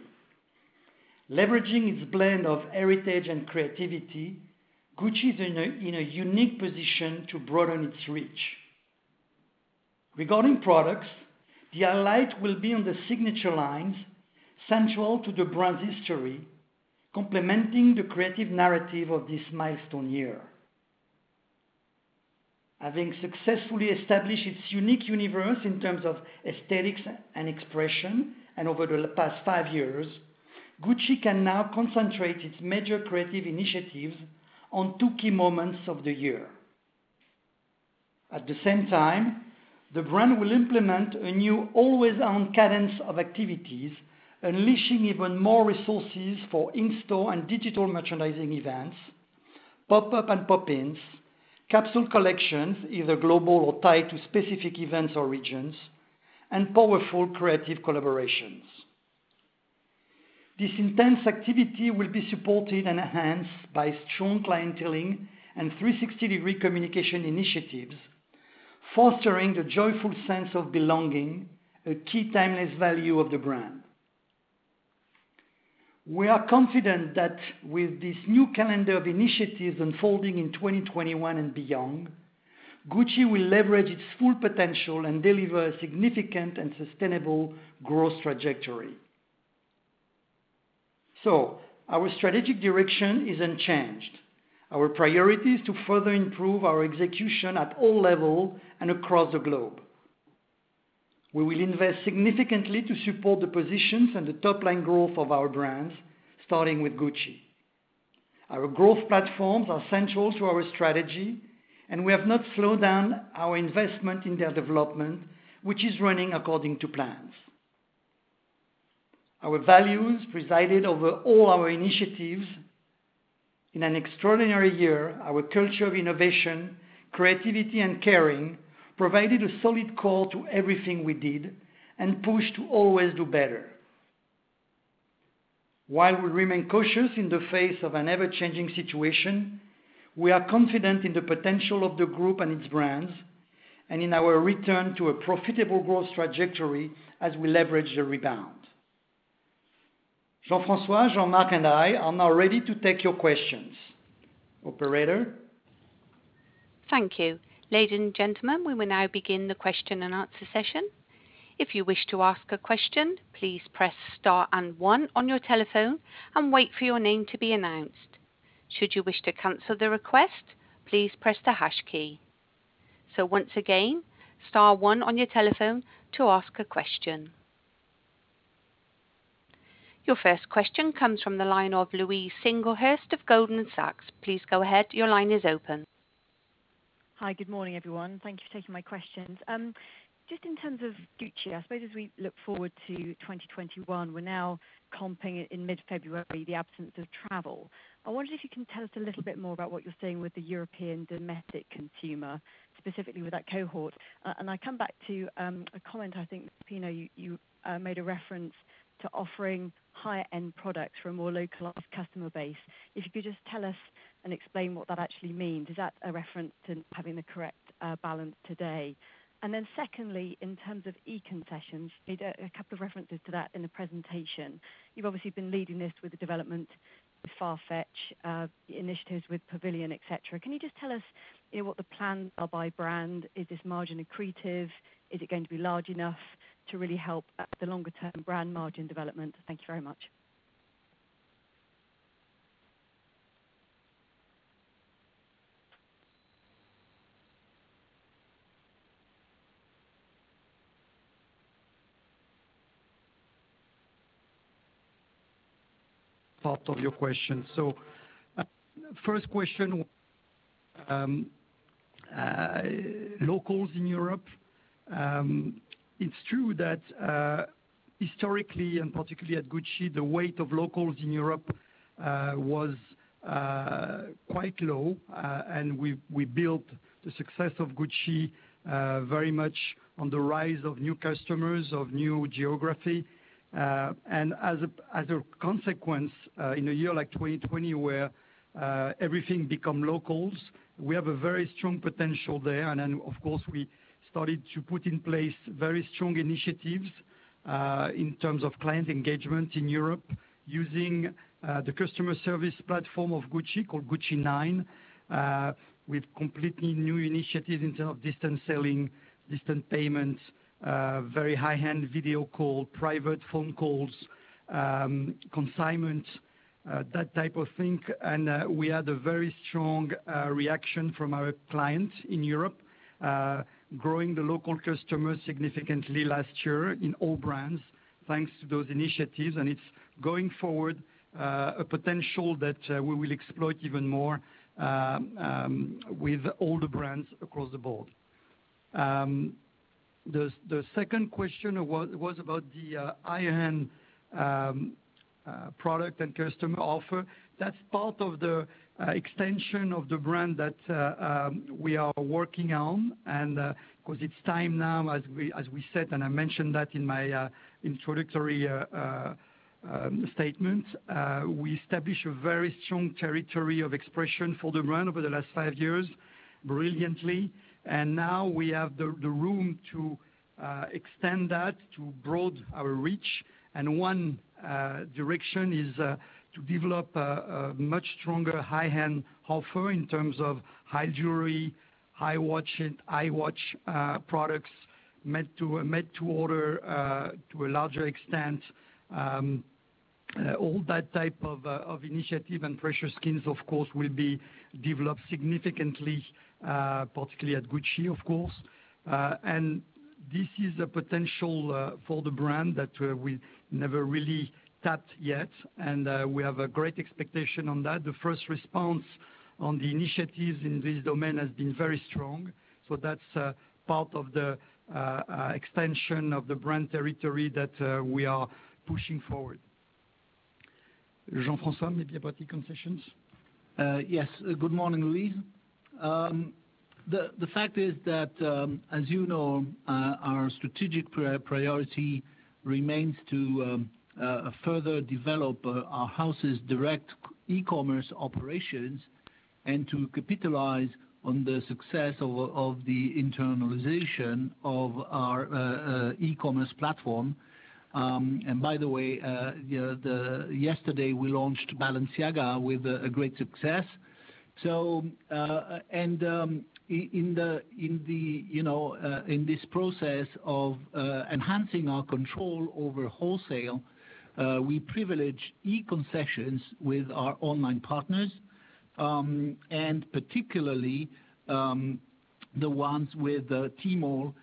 Leveraging its blend of heritage and creativity, Gucci is in a unique position to broaden its reach. Regarding products, the highlight will be on the signature lines central to the brand's history, complementing the creative narrative of this milestone year. Having successfully established its unique universe in terms of aesthetics and expression, and over the past five years, Gucci can now concentrate its major creative initiatives on two key moments of the year. At the same time, the brand will implement a new always-on cadence of activities, unleashing even more resources for in-store and digital merchandising events, pop-up and pop-ins, capsule collections, either global or tied to specific events or regions, and powerful creative collaborations. This intense activity will be supported and enhanced by strong clienteling and 360-degree communication initiatives, fostering the joyful sense of belonging, a key timeless value of the brand. We are confident that with this new calendar of initiatives unfolding in 2021 and beyond, Gucci will leverage its full potential and deliver a significant and sustainable growth trajectory. Our strategic direction is unchanged. Our priority is to further improve our execution at all levels and across the globe. We will invest significantly to support the positions and the top-line growth of our brands, starting with Gucci. Our growth platforms are central to our strategy, and we have not slowed down our investment in their development, which is running according to plans. Our values presided over all our initiatives. In an extraordinary year, our culture of innovation, creativity, and caring provided a solid core to everything we did and pushed to always do better. While we remain cautious in the face of an ever-changing situation, we are confident in the potential of the group and its brands and in our return to a profitable growth trajectory as we leverage the rebound. Jean-François, Jean-Marc, and I are now ready to take your questions. Operator. Thank you. Ladies and gentlemen, we will now begin the question and answer session. If you wish to ask a question, please press star and one on your telephone and wait for your name to be announced. Should you wish to cancel the request, please press the hash key. Once again, star one on your telephone to ask a question. Your first question comes from the line of Louise Singlehurst of Goldman Sachs. Please go ahead. Your line is open. In terms of Gucci, I suppose as we look forward to 2021, we're now comping in mid-February, the absence of travel. I wonder if you can tell us a little bit more about what you're seeing with the European domestic consumer, specifically with that cohort. I come back to a comment, I think, Pinault, you made a reference to offering higher-end products for a more local customer base. If you could just tell us and explain what that actually means. Is that a reference to having the correct balance today? Secondly, in terms of e-concessions, you made a couple of references to that in the presentation. You've obviously been leading this with the development with Farfetch, the initiatives with Pavilion, et cetera. Can you just tell us what the plans are by brand? Is this margin accretive? Is it going to be large enough to really help the longer-term brand margin development? Thank you very much. Part of your question. First question, locals in Europe. It's true that historically, and particularly at Gucci, the weight of locals in Europe was quite low, and we built the success of Gucci very much on the rise of new customers, of new geography. As a consequence, in a year like 2020, where everything become locals, we have a very strong potential there. Then, of course, we started to put in place very strong initiatives in terms of client engagement in Europe using the customer service platform of Gucci, called Gucci 9, with completely new initiatives in terms of distance selling, distance payments, very high-end video call, private phone calls, consignments, that type of thing. We had a very strong reaction from our clients in Europe, growing the local customers significantly last year in all brands, thanks to those initiatives. It's going forward, a potential that we will exploit even more with all the brands across the board. The second question was about the higher-end product and customer offer. That's part of the extension of the brand that we are working on because it's time now, as we said, and I mentioned that in my introductory statement. We established a very strong territory of expression for the brand over the last five years brilliantly. Now we have the room to extend that, to broaden our reach. One direction is to develop a much stronger high-end offer in terms of high jewelry, high watch products, made to order to a larger extent. All that type of initiative and precious skins, of course, will be developed significantly, particularly at Gucci, of course. This is a potential for the brand that we never really tapped yet, and we have a great expectation on that. The first response on the initiatives in this domain has been very strong. That's part of the extension of the brand territory that we are pushing forward. Jean-François, maybe about the concessions? Yes. Good morning, Louise. The fact is that, as you know, our strategic priority remains to further develop our house's direct e-commerce operations and to capitalize on the success of the internalization of our e-commerce platform. By the way, yesterday, we launched Balenciaga with great success. In this process of enhancing our control over wholesale, we privilege e-concessions with our online partners, and particularly the ones with Tmall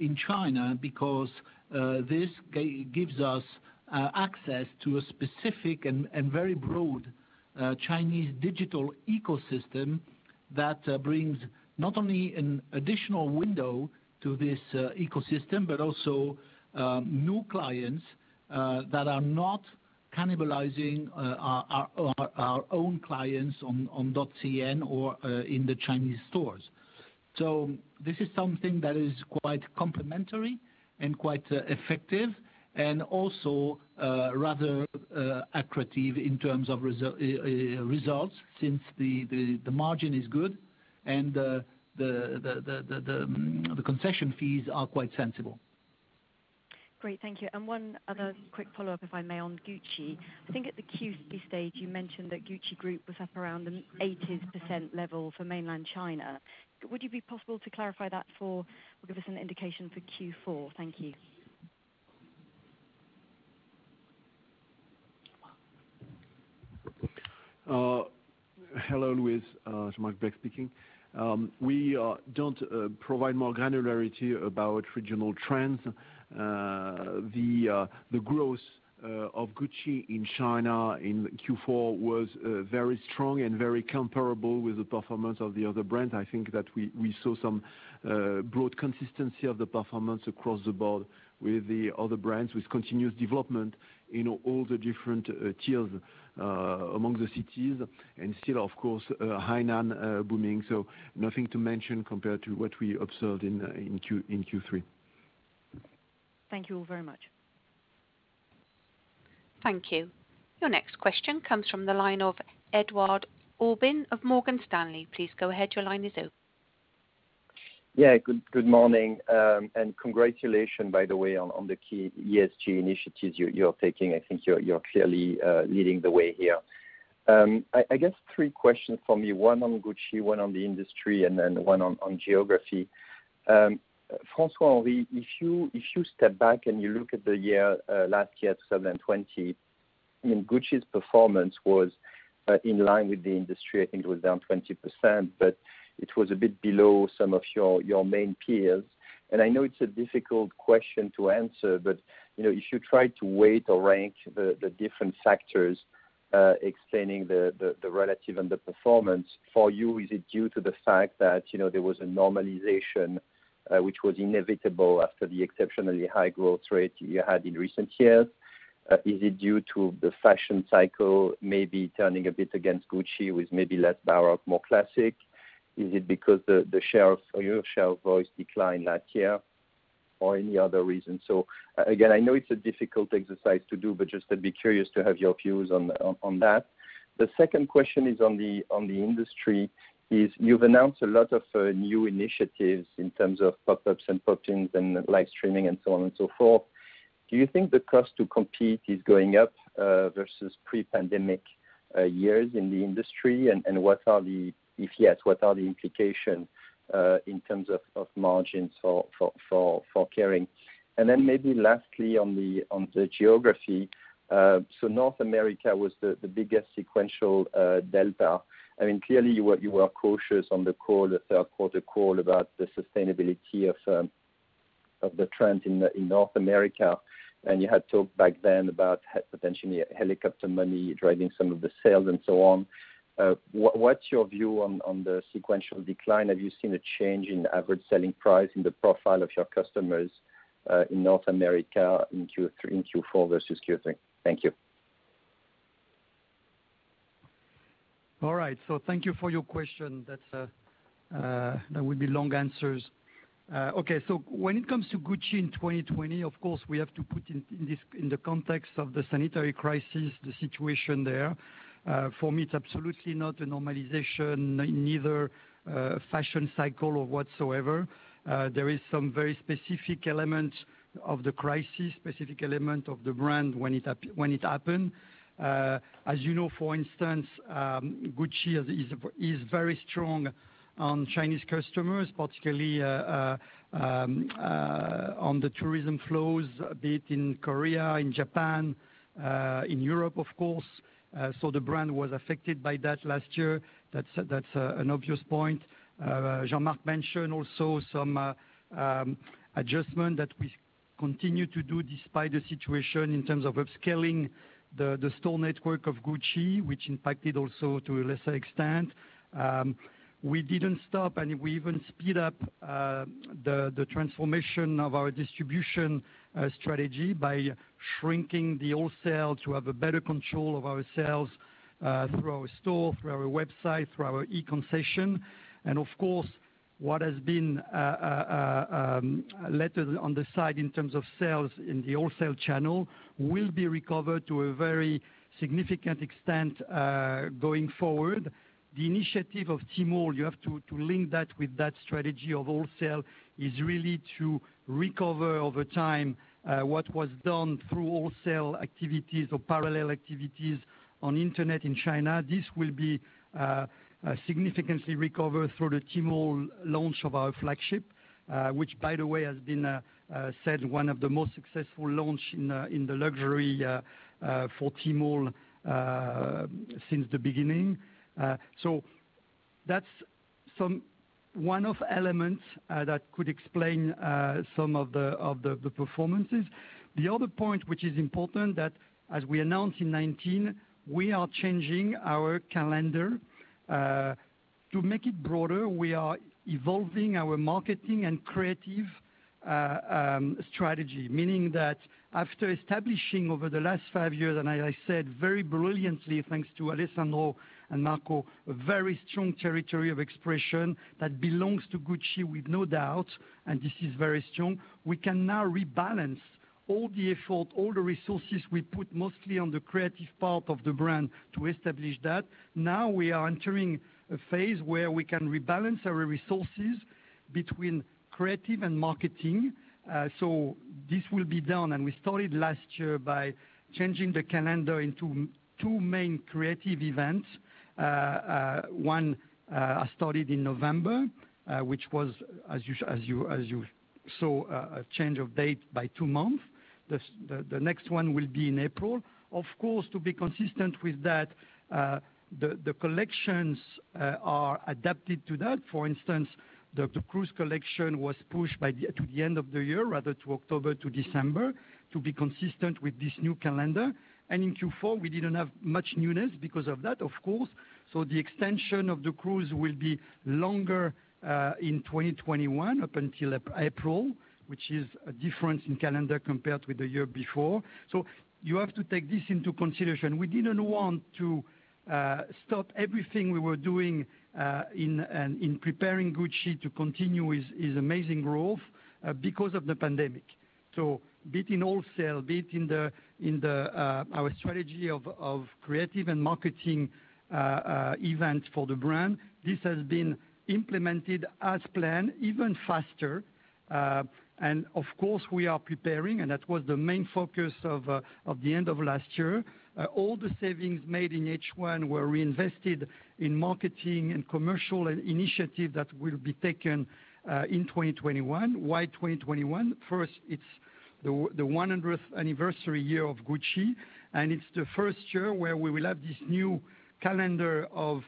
in China, because this gives us access to a specific and very broad Chinese digital ecosystem that brings not only an additional window to this ecosystem, but also new clients that are not cannibalizing our own clients on .cn or in the Chinese stores. This is something that is quite complementary and quite effective and also rather accretive in terms of results, since the margin is good and the concession fees are quite sensible. Great, thank you. One other quick follow-up, if I may, on Gucci. I think at the Q3 stage, you mentioned that Gucci was up around an 80% level for mainland China. Would you be possible to clarify that or give us an indication for Q4? Thank you. Hello, Louise. Jean-Marc Duplaix speaking. We don't provide more granularity about regional trends. The growth of Gucci in China in Q4 was very strong and very comparable with the performance of the other brands. I think that we saw some broad consistency of the performance across the board with the other brands, with continuous development in all the different tiers among the cities. Still, of course, Hainan booming, so nothing to mention compared to what we observed in Q3. Thank you all very much. Thank you. Your next question comes from the line of Edouard Aubin of Morgan Stanley. Please go ahead. Your line is open. Yeah. Good morning. Congratulations, by the way, on the key ESG initiatives you're taking. I think you're clearly leading the way here. I guess three questions from me, one on Gucci, one on the industry, and then one on geography. François-Henri, if you step back and you look at the last year, 2020, Gucci's performance was in line with the industry. I think it was down 20%, but it was a bit below some of your main peers. I know it's a difficult question to answer, but if you try to weight or rank the different factors explaining the relative and the performance for you, is it due to the fact that there was a normalization which was inevitable after the exceptionally high growth rate you had in recent years? Is it due to the fashion cycle maybe turning a bit against Gucci, with maybe less Baroque, more classic? Is it because your shelf always declined last year? Any other reason? Again, I know it's a difficult exercise to do, but just I'd be curious to have your views on that. The second question is on the industry, is you've announced a lot of new initiatives in terms of pop-ups and pop-ins and live streaming and so on and so forth. Do you think the cost to compete is going up versus pre-pandemic years in the industry? If yes, what are the implications in terms of margins for Kering? Maybe lastly on the geography. North America was the biggest sequential delta. Clearly, you were cautious on the third quarter call about the sustainability of the trend in North America, and you had talked back then about potentially helicopter money driving some of the sales and so on. What's your view on the sequential decline? Have you seen a change in average selling price in the profile of your customers in North America in Q4 versus Q3? Thank you. All right. Thank you for your question. That will be long answers. When it comes to Gucci in 2020, of course, we have to put in the context of the sanitary crisis, the situation there. For me, it's absolutely not a normalization, neither fashion cycle or whatsoever. There is some very specific element of the crisis, specific element of the brand when it happened. As you know, for instance, Gucci is very strong on Chinese customers, particularly on the tourism flows a bit in Korea, in Japan, in Europe, of course. The brand was affected by that last year. That's an obvious point. Jean-Marc mentioned also some adjustment that we continue to do despite the situation in terms of upscaling the store network of Gucci, which impacted also to a lesser extent. We didn't stop, and we even speed up the transformation of our distribution strategy by shrinking the wholesale to have a better control of our sales through our store, through our website, through our e-concession. Of course, what has been left on the side in terms of sales in the wholesale channel will be recovered to a very significant extent going forward. The initiative of Tmall, you have to link that with that strategy of wholesale, is really to recover over time what was done through wholesale activities or parallel activities on internet in China. This will be significantly recovered through the Tmall launch of our flagship, which by the way, has been said one of the most successful launch in the luxury for Tmall since the beginning. That's one of elements that could explain some of the performances. The other point, which is important that as we announced in 2019, we are changing our calendar. To make it broader, we are evolving our marketing and creative strategy, meaning that after establishing over the last five years, and as I said, very brilliantly, thanks to Alessandro and Marco, a very strong territory of expression that belongs to Gucci with no doubt, and this is very strong. We can now rebalance all the effort, all the resources we put mostly on the creative part of the brand to establish that. Now we are entering a phase where we can rebalance our resources between creative and marketing. This will be done, and we started last year by changing the calendar into two main creative events. One started in November, which was, as you saw, a change of date by two months. The next one will be in April. To be consistent with that, the collections are adapted to that. The cruise collection was pushed to the end of the year, rather to October to December, to be consistent with this new calendar. In Q4, we didn't have much newness because of that, of course. The extension of the cruise will be longer, in 2021 up until April, which is a difference in calendar compared with the year before. You have to take this into consideration. We didn't want to stop everything we were doing in preparing Gucci to continue its amazing growth because of the pandemic. Be it in wholesale, be it in our strategy of creative and marketing events for the brand, this has been implemented as planned even faster. We are preparing, and that was the main focus of the end of last year. All the savings made in H1 were reinvested in marketing and commercial initiative that will be taken in 2021. Why 2021? First, it's the 100th anniversary year of Gucci, and it's the first year where we will have this new calendar of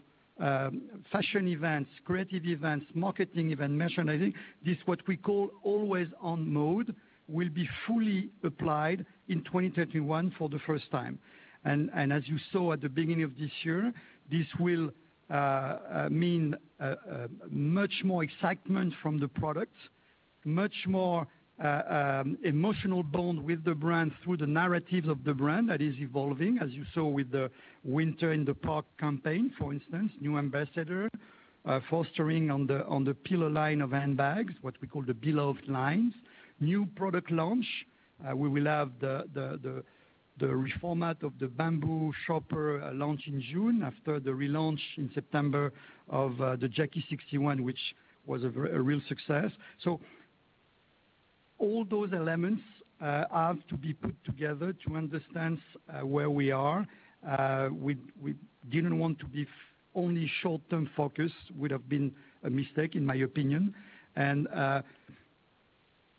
fashion events, creative events, marketing event, merchandising. This, what we call always-on mode, will be fully applied in 2021 for the first time. As you saw at the beginning of this year, this will mean much more excitement from the products, much more emotional bond with the brand through the narrative of the brand that is evolving, as you saw with the Winter in the Park campaign, for instance, new ambassador, fostering on the pillar line of handbags, what we call the Beloved Lines, new product launch. We will have the reformat of the Bamboo Shopper launch in June after the relaunch in September of the Jackie 1961, which was a real success. All those elements have to be put together to understand where we are. We didn't want to be only short-term focused, would have been a mistake in my opinion.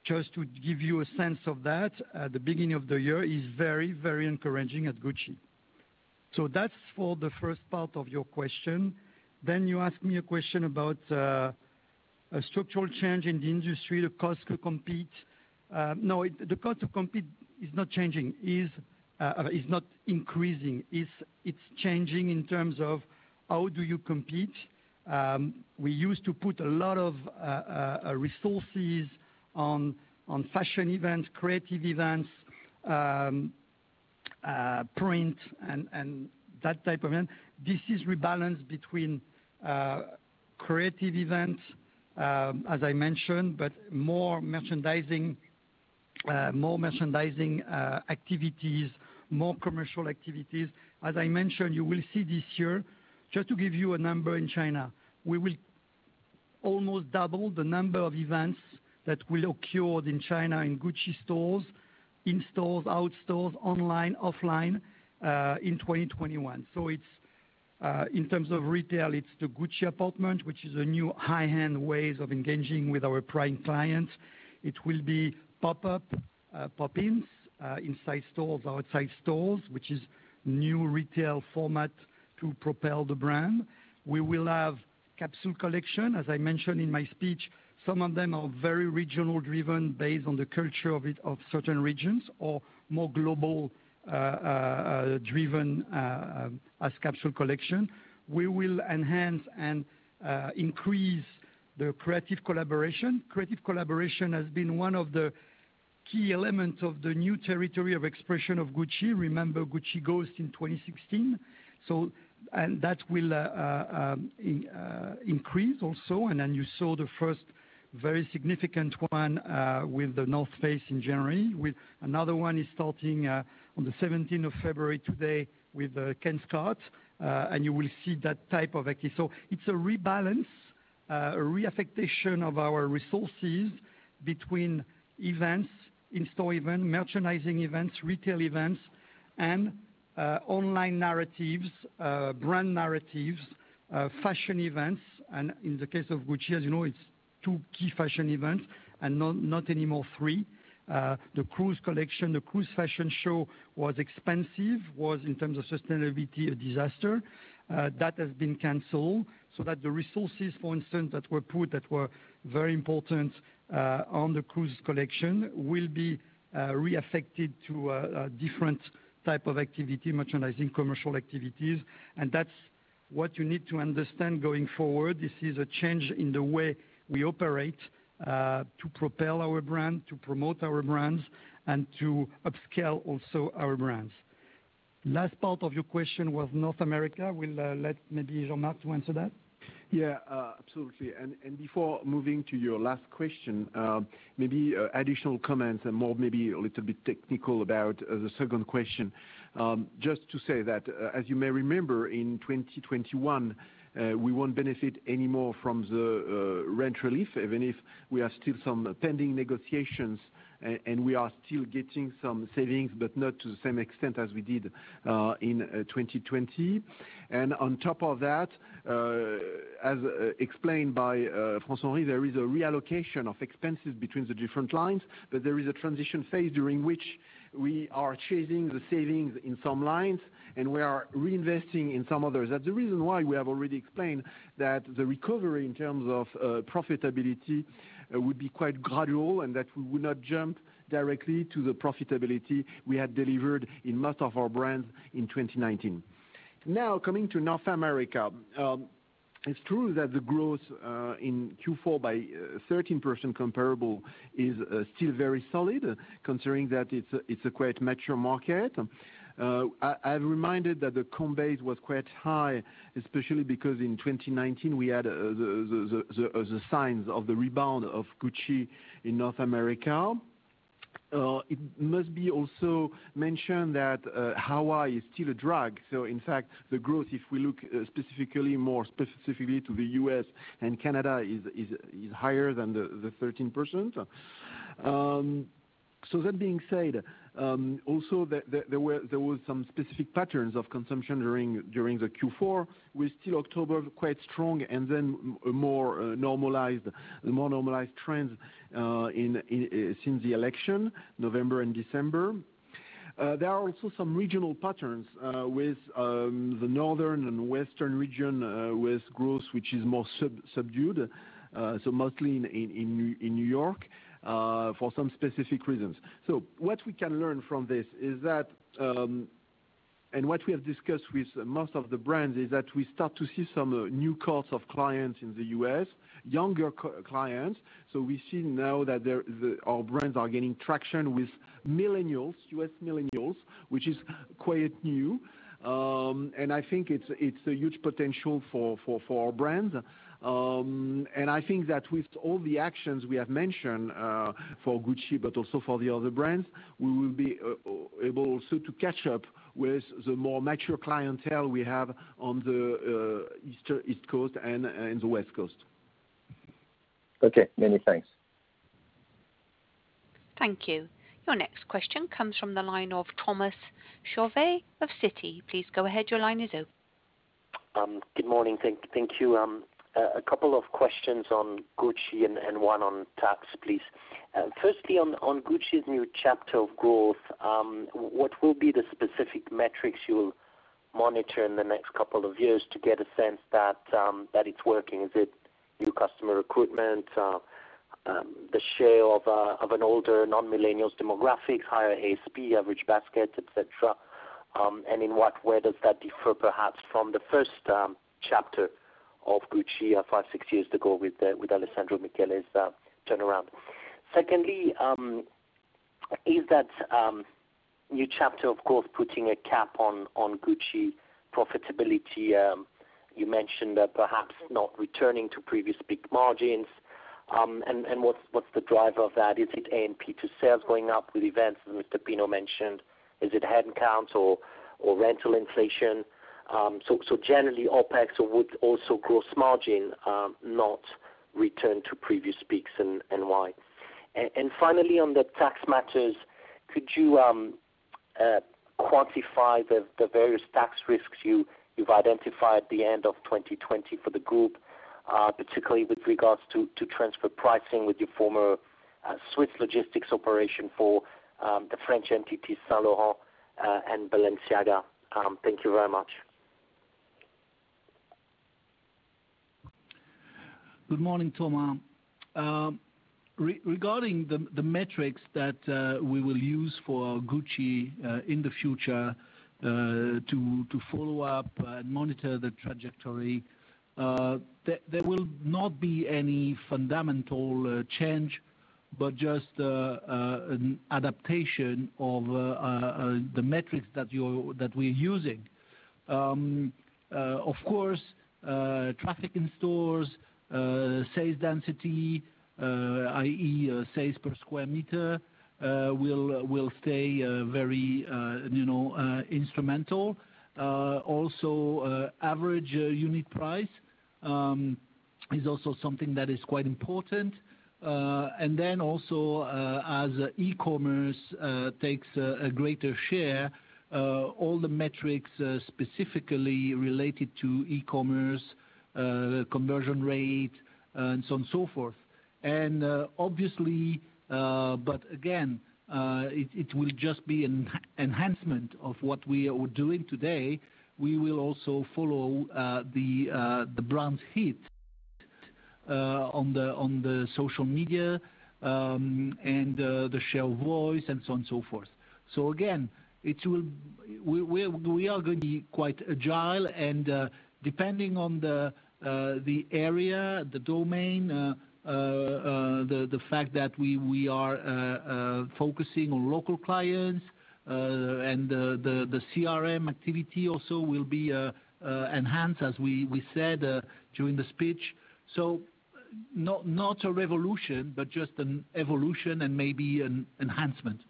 Just to give you a sense of that, the beginning of the year is very encouraging at Gucci. That's for the first part of your question. You asked me a question about structural change in the industry, the cost to compete. No, the cost to compete is not increasing. It's changing in terms of how do you compete. We used to put a lot of resources on fashion events, creative events, print, and that type of event. This is rebalanced between creative events, as I mentioned, but more merchandising activities, more commercial activities. As I mentioned, you will see this year, just to give you a number in China, we will almost double the number of events that will occur in China, in Gucci stores, in-stores, out-stores, online, offline, in 2021. In terms of retail, it's the Gucci apartment, which is a new high-end way of engaging with our prime clients. It will be pop-up, pop-ins, inside stores, outside stores, which is new retail format to propel the brand. We will have capsule collection. As I mentioned in my speech, some of them are very regionally driven based on the culture of it, of certain regions, or more globally driven as capsule collection. We will enhance and increase the creative collaboration. Creative collaboration has been one of the key elements of the new territory of expression of Gucci. Remember GucciGhost in 2016. That will increase also. You saw the first very significant one with The North Face in January, with another one starting on the 17th of February today with Ken Scott, and you will see that type of activity. It's a rebalance, a reassignment of our resources between events, in-store events, merchandising events, retail events, and online narratives, brand narratives, fashion events. In the case of Gucci, as you know, it's two key fashion events and not any more three. The Cruise collection, the Cruise fashion show was expensive, was, in terms of sustainability, a disaster. That has been canceled so that the resources, for instance, that were put, that were very important on the cruise collection will be reassigned to a different type of activity, merchandising, commercial activities. That's what you need to understand going forward. This is a change in the way we operate to propel our brand, to promote our brands, and to upscale also our brands. Last part of your question was North America. We'll let maybe Jean-Marc to answer that. Yeah, absolutely. Before moving to your last question, maybe additional comments and more maybe a little bit technical about the second question. Just to say that, as you may remember, in 2021, we won't benefit any more from the rent relief, even if we have still some pending negotiations and we are still getting some savings, but not to the same extent as we did in 2020. On top of that, as explained by François-Henri, there is a reallocation of expenses between the different lines, but there is a transition phase during which we are chasing the savings in some lines, and we are reinvesting in some others. That the reason why we have already explained that the recovery in terms of profitability would be quite gradual and that we would not jump directly to the profitability we had delivered in most of our brands in 2019. Coming to North America. It's true that the growth in Q4 by 13% comparable is still very solid considering that it's a quite mature market. I'm reminded that the comp base was quite high, especially because in 2019 we had the signs of the rebound of Gucci in North America. It must be also mentioned that Hawaii is still a drag. In fact, the growth, if we look more specifically to the U.S. and Canada, is higher than the 13%. That being said, also there were some specific patterns of consumption during the Q4 with still October quite strong and then a more normalized trend since the election, November and December. There are also some regional patterns with the northern and western region with growth which is more subdued, so mostly in New York, for some specific reasons. What we can learn from this is that, and what we have discussed with most of the brands is that we start to see some new cohorts of clients in the U.S., younger clients. We see now that our brands are gaining traction with millennials, U.S. millennials, which is quite new. I think it's a huge potential for our brands. I think that with all the actions we have mentioned for Gucci but also for the other brands, we will be able also to catch up with the more mature clientele we have on the East Coast and the West Coast. Okay. Many thanks. Thank you. Your next question comes from the line of Thomas Chauvet of Citi. Please go ahead. Your line is open. Good morning. Thank you. A couple of questions on Gucci and one on tax, please. Firstly, on Gucci's new chapter of growth, what will be the specific metrics you will monitor in the next couple of years to get a sense that it's working? Is it new customer recruitment, the share of an older non-millennials demographic, higher ASP, average basket, et cetera? In what way does that differ perhaps from the first chapter of Gucci five, six years ago with Alessandro Michele's turnaround? Secondly, is that new chapter, of course, putting a cap on Gucci profitability? You mentioned that perhaps not returning to previous peak margins. What's the driver of that? Is it A&P to sales going up with events as Mr. Pinault mentioned? Is it head count or rental inflation? Generally, OpEx or would also gross margin not return to previous peaks, and why? Finally, on the tax matters, could you quantify the various tax risks you've identified at the end of 2020 for the group, particularly with regards to transfer pricing with your former Swiss logistics operation for the French entities, Saint Laurent and Balenciaga? Thank you very much. Good morning, Thomas. Regarding the metrics that we will use for Gucci in the future to follow up and monitor the trajectory, there will not be any fundamental change, but just an adaptation of the metrics that we're using. Of course, traffic in stores, sales density, i.e., sales per square meter, will stay very instrumental. Also, average unit price is also something that is quite important. Also, as e-commerce takes a greater share, all the metrics specifically related to e-commerce, conversion rate, and so on and so forth. Again, it will just be an enhancement of what we are doing today. We will also follow the brand's heat on the social media, and the share of voice, and so on and so forth. Again, we are going to be quite agile and, depending on the area, the domain, the fact that we are focusing on local clients and the CRM activity also will be enhanced as we said during the speech. Not a revolution, but just an evolution and maybe an enhancement.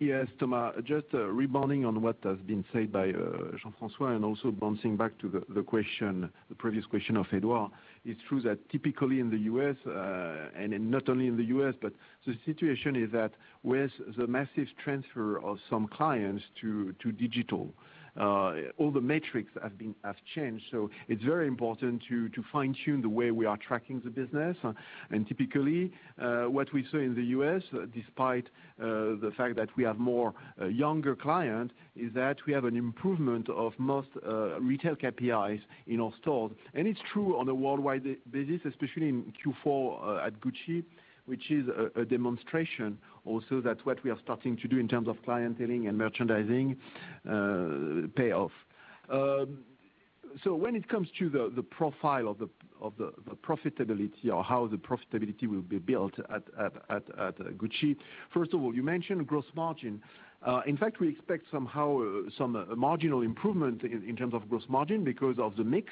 Yes, Thomas, just rebounding on what has been said by Jean-François and also bouncing back to the previous question of Edouard. It's true that typically in the U.S., and not only in the U.S., but the situation is that with the massive transfer of some clients to digital, all the metrics have changed. It's very important to fine-tune the way we are tracking the business. Typically, what we see in the U.S., despite the fact that we have more younger clients, is that we have an improvement of most retail KPIs in our stores. It's true on a worldwide basis, especially in Q4 at Gucci, which is a demonstration also that what we are starting to do in terms of clienteling and merchandising pays off. When it comes to the profile of the profitability or how the profitability will be built at Gucci, first of all, you mentioned gross margin. In fact, we expect somehow some marginal improvement in terms of gross margin because of the mix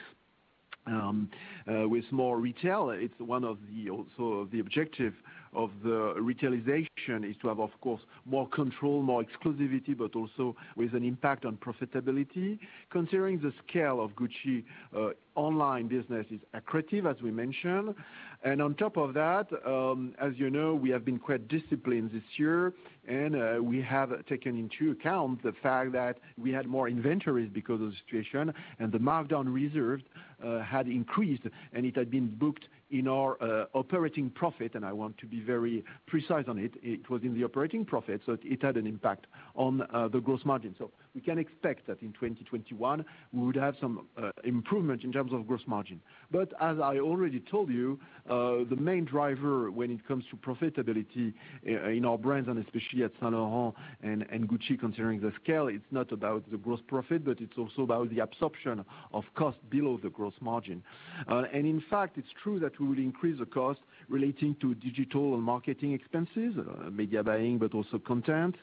with more retail. It's one of the objective of the retailization is to have, of course, more control, more exclusivity, but also with an impact on profitability. Considering the scale of Gucci online business is accretive, as we mentioned. On top of that, as you know, we have been quite disciplined this year and we have taken into account the fact that we had more inventories because of the situation, and the markdown reserve had increased, and it had been booked in our operating profit. I want to be very precise on it. It was in the operating profit, so it had an impact on the gross margin. We can expect that in 2021, we would have some improvement in terms of gross margin. As I already told you, the main driver when it comes to profitability in our brands and especially at Saint Laurent and Gucci, considering the scale, it's not about the gross profit, but it's also about the absorption of cost below the gross margin. In fact, it's true that we will increase the cost relating to digital and marketing expenses, media buying, but also content.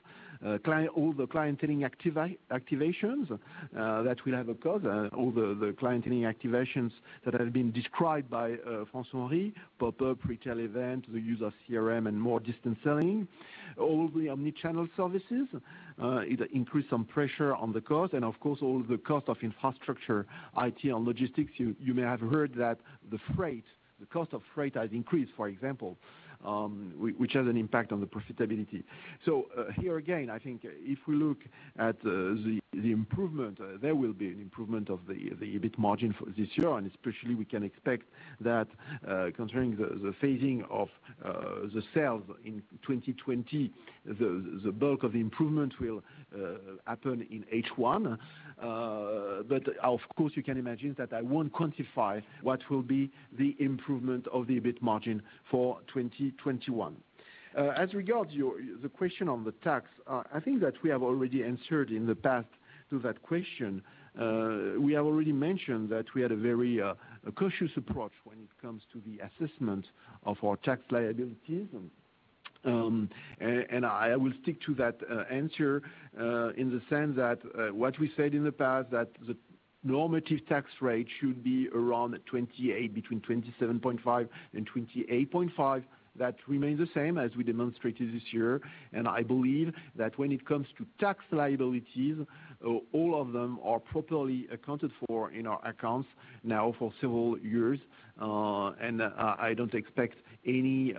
All the clienteling activations that will have a cost, all the clienteling activations that have been described by François-Henri, pop-up, retail event, the use of CRM, and more distance selling. All the omni-channel services, either increase some pressure on the cost and, of course, all the cost of infrastructure, IT, and logistics. You may have heard that the cost of freight has increased, for example, which has an impact on the profitability. Here again, I think if we look at the improvement, there will be an improvement of the EBIT margin for this year, and especially we can expect that, considering the phasing of the sales in 2020, the bulk of the improvement will happen in H1. Of course, you can imagine that I won't quantify what will be the improvement of the EBIT margin for 2021. As regards the question on the tax, I think that we have already answered in the past to that question. We have already mentioned that we had a very cautious approach when it comes to the assessment of our tax liabilities. I will stick to that answer in the sense that what we said in the past, that the normative tax rate should be around 28%, between 27.5%-28.5%. That remains the same as we demonstrated this year. I believe that when it comes to tax liabilities, all of them are properly accounted for in our accounts now for several years. I don't expect any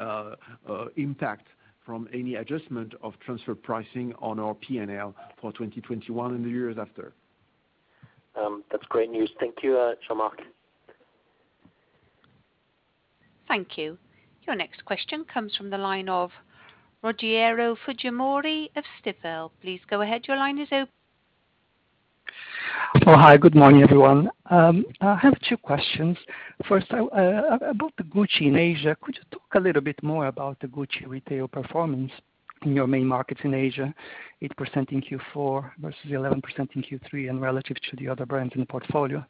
impact from any adjustment of transfer pricing on our P&L for 2021 and the years after. That's great news. Thank you, Jean-Marc Thank you. Your next question comes from the line of Rogerio Fujimori of Stifel. Please go ahead. Your line is open. Oh, hi. Good morning, everyone. I have two questions. First, about the Gucci in Asia. Could you talk a little bit more about the Gucci retail performance in your main markets in Asia, 8% in Q4 versus 11% in Q3 and relative to the other brands in the portfolio?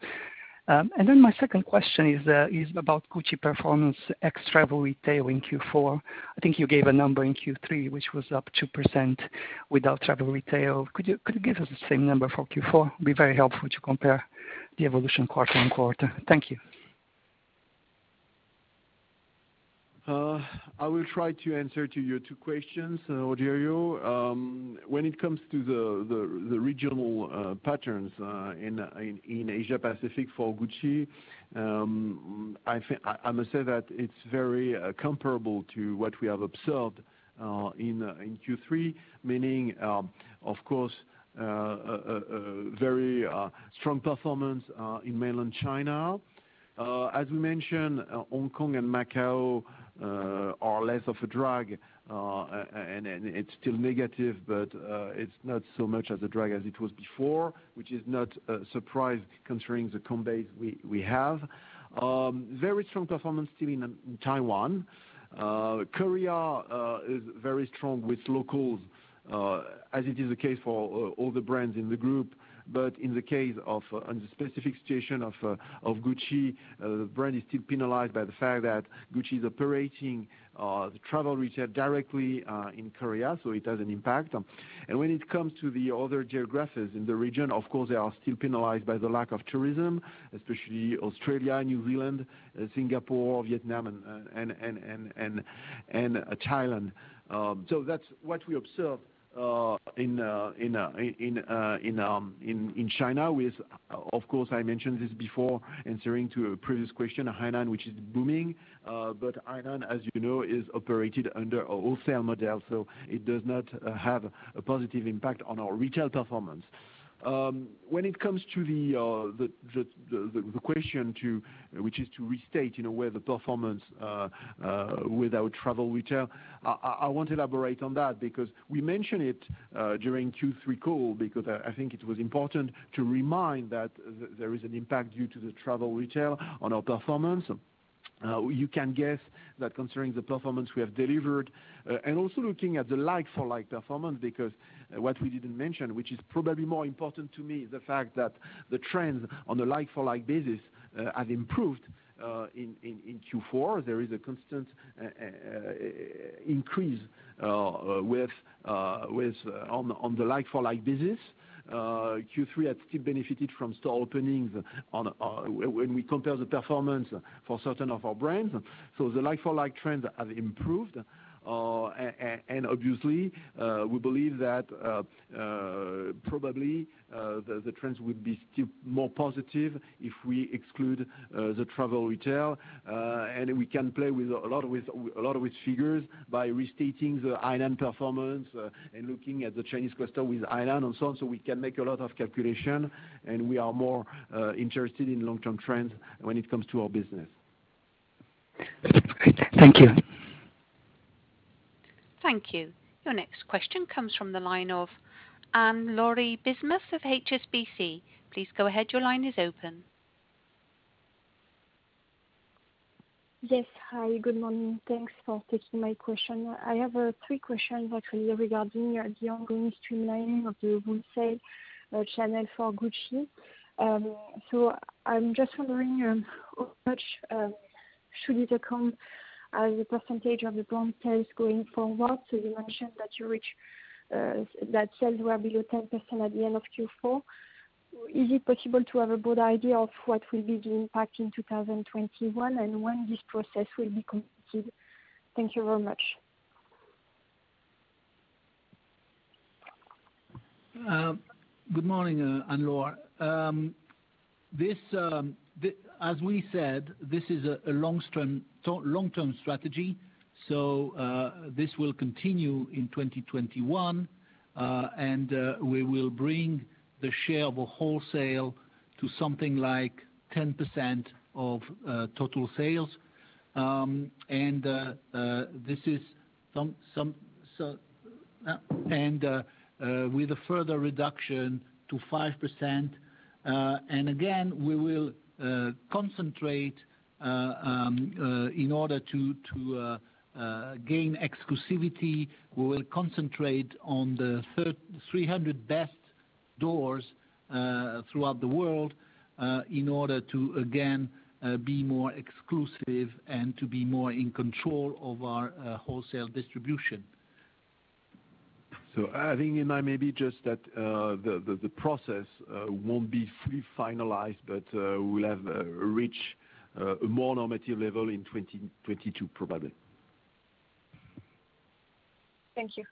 My second question is about Gucci performance ex travel retail in Q4. I think you gave a number in Q3, which was up 2% without travel retail. Could you give us the same number for Q4? It'd be very helpful to compare the evolution quarter-on-quarter. Thank you. I will try to answer to your two questions, Rogerio. When it comes to the regional patterns in Asia Pacific for Gucci, I must say that it's very comparable to what we have observed in Q3, meaning, of course, very strong performance in mainland China. As we mentioned, Hong Kong and Macau are less of a drag, and it's still negative, but it's not so much as a drag as it was before, which is not a surprise considering the comp base we have. Very strong performance still in Taiwan. Korea is very strong with locals, as it is the case for all the brands in the group. In the specific situation of Gucci, the brand is still penalized by the fact that Gucci is operating the travel retail directly in Korea, so it has an impact. When it comes to the other geographies in the region, of course, they are still penalized by the lack of tourism, especially Australia, New Zealand, Singapore, Vietnam, and Thailand. That's what we observed in China with, of course, I mentioned this before answering to a previous question, Hainan, which is booming. Hainan, as you know, is operated under a wholesale model, so it does not have a positive impact on our retail performance. When it comes to the question which is to restate where the performance without travel retail, I won't elaborate on that because we mentioned it during Q3 call because I think it was important to remind that there is an impact due to the travel retail on our performance. You can guess that considering the performance we have delivered, also looking at the like-for-like performance. What we didn't mention, which is probably more important to me, the fact that the trends on the like-for-like basis have improved in Q4. There is a constant increase on the like-for-like basis. Q3 had still benefited from store openings when we compare the performance for certain of our brands. The like-for-like trends have improved. Obviously, we believe that probably, the trends would be still more positive if we exclude the travel retail. We can play a lot with figures by restating the island performance and looking at the Chinese cluster with island and so on. We can make a lot of calculation, we are more interested in long-term trends when it comes to our business. Great. Thank you. Thank you. Your next question comes from the line of Anne-Laure Bismuth of HSBC. Please go ahead. Your line is open. Yes. Hi, good morning. Thanks for taking my question. I have three questions actually regarding the ongoing streamlining of the wholesale channel for Gucci. I'm just wondering how much should it account as a percentage of the brand sales going forward. You mentioned that sales were below 10% at the end of Q4. Is it possible to have a broad idea of what will be the impact in 2021 and when this process will be completed? Thank you very much. Good morning, Anne-Laure. As we said, this is a long-term strategy, so this will continue in 2021. We will bring the share of wholesale to something like 10% of total sales. With a further reduction to 5%. Again, we will concentrate in order to gain exclusivity. We will concentrate on the 300 best doors throughout the world in order to, again, be more exclusive and to be more in control of our wholesale distribution. Adding in maybe just that the process won't be fully finalized, but we'll have reached a more normative level in 2022, probably. Thank you.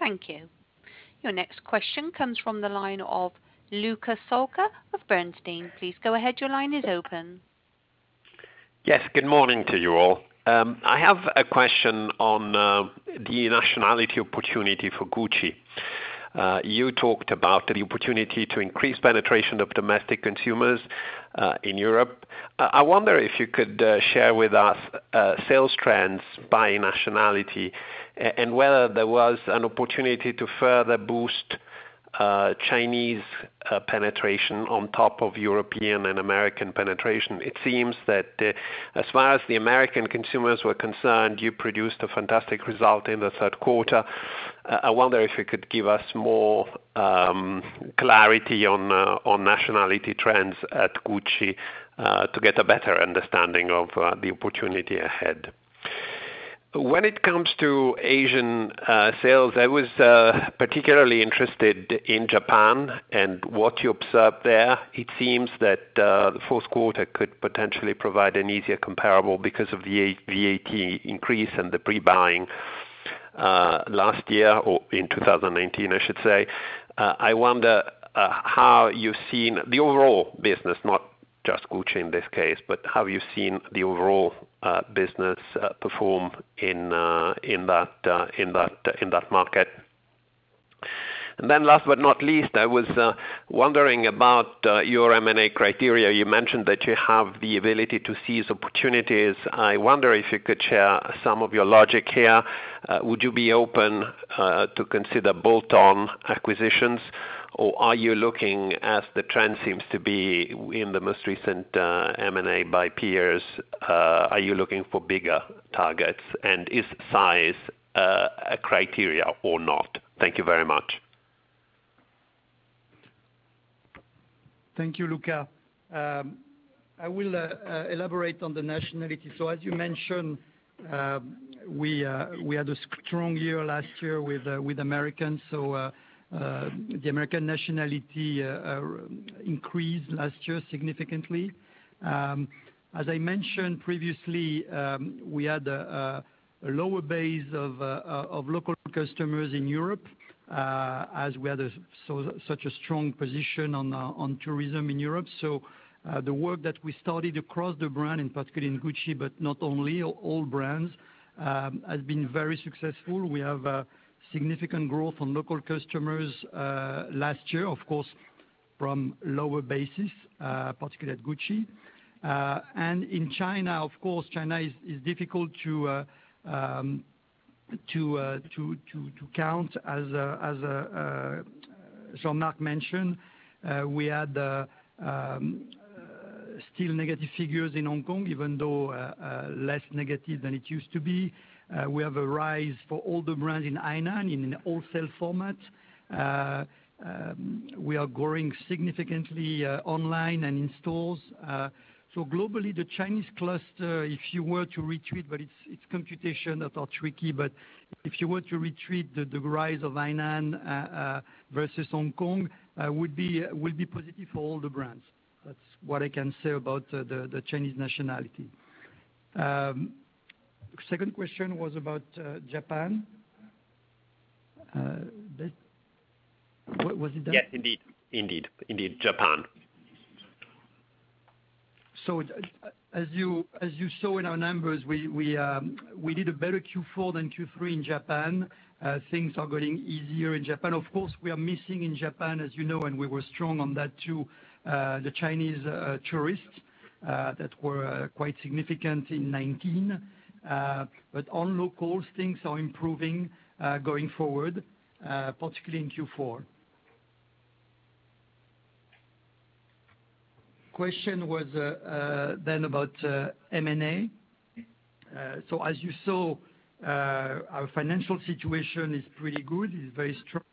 Thank you. Your next question comes from the line of Luca Solca of Bernstein. Please go ahead. Yes, good morning to you all. I have a question on the nationality opportunity for Gucci. You talked about the opportunity to increase penetration of domestic consumers in Europe. I wonder if you could share with us sales trends by nationality and whether there was an opportunity to further boost Chinese penetration on top of European and American penetration. It seems that as far as the American consumers were concerned, you produced a fantastic result in the third quarter. I wonder if you could give us more clarity on nationality trends at Gucci to get a better understanding of the opportunity ahead. When it comes to Asian sales, I was particularly interested in Japan and what you observed there. It seems that the fourth quarter could potentially provide an easier comparable because of the VAT increase and the pre-buying last year, or in 2019, I should say. I wonder how you've seen the overall business, not just Gucci in this case, but how you've seen the overall business perform in that market. Last but not least, I was wondering about your M&A criteria. You mentioned that you have the ability to seize opportunities. I wonder if you could share some of your logic here. Would you be open to consider bolt-on acquisitions, or are you looking, as the trend seems to be in the most recent M&A by peers, are you looking for bigger targets, and is size a criteria or not? Thank you very much. Thank you, Luca. I will elaborate on the nationality. As you mentioned, we had a strong year last year with Americans. The American nationality increased last year significantly. As I mentioned previously, we had a lower base of local customers in Europe, as we had such a strong position on tourism in Europe. The work that we started across the brand, and particularly in Gucci, but not only, all brands, has been very successful. We have significant growth on local customers last year, of course, from lower bases, particularly at Gucci. In China, of course, China is difficult to count as Jean-Marc mentioned, we had still negative figures in Hong Kong, even though less negative than it used to be. We have a rise for all the brands in Hainan, in wholesale format. We are growing significantly online and in stores. Globally, the Chinese cluster, if you were to retrieve, but its computation are tricky, but if you were to retrieve the rise of Hainan versus Hong Kong, would be positive for all the brands. That's what I can say about the Chinese nationality. Second question was about Japan. Was it that? Yes, indeed. Japan. As you saw in our numbers, we did a better Q4 than Q3 in Japan. Things are getting easier in Japan. Of course, we are missing in Japan, as you know, and we were strong on that too, the Chinese tourists that were quite significant in 2019. On locals, things are improving going forward, particularly in Q4. Question was then about M&A. As you saw, our financial situation is pretty good. It's very strong.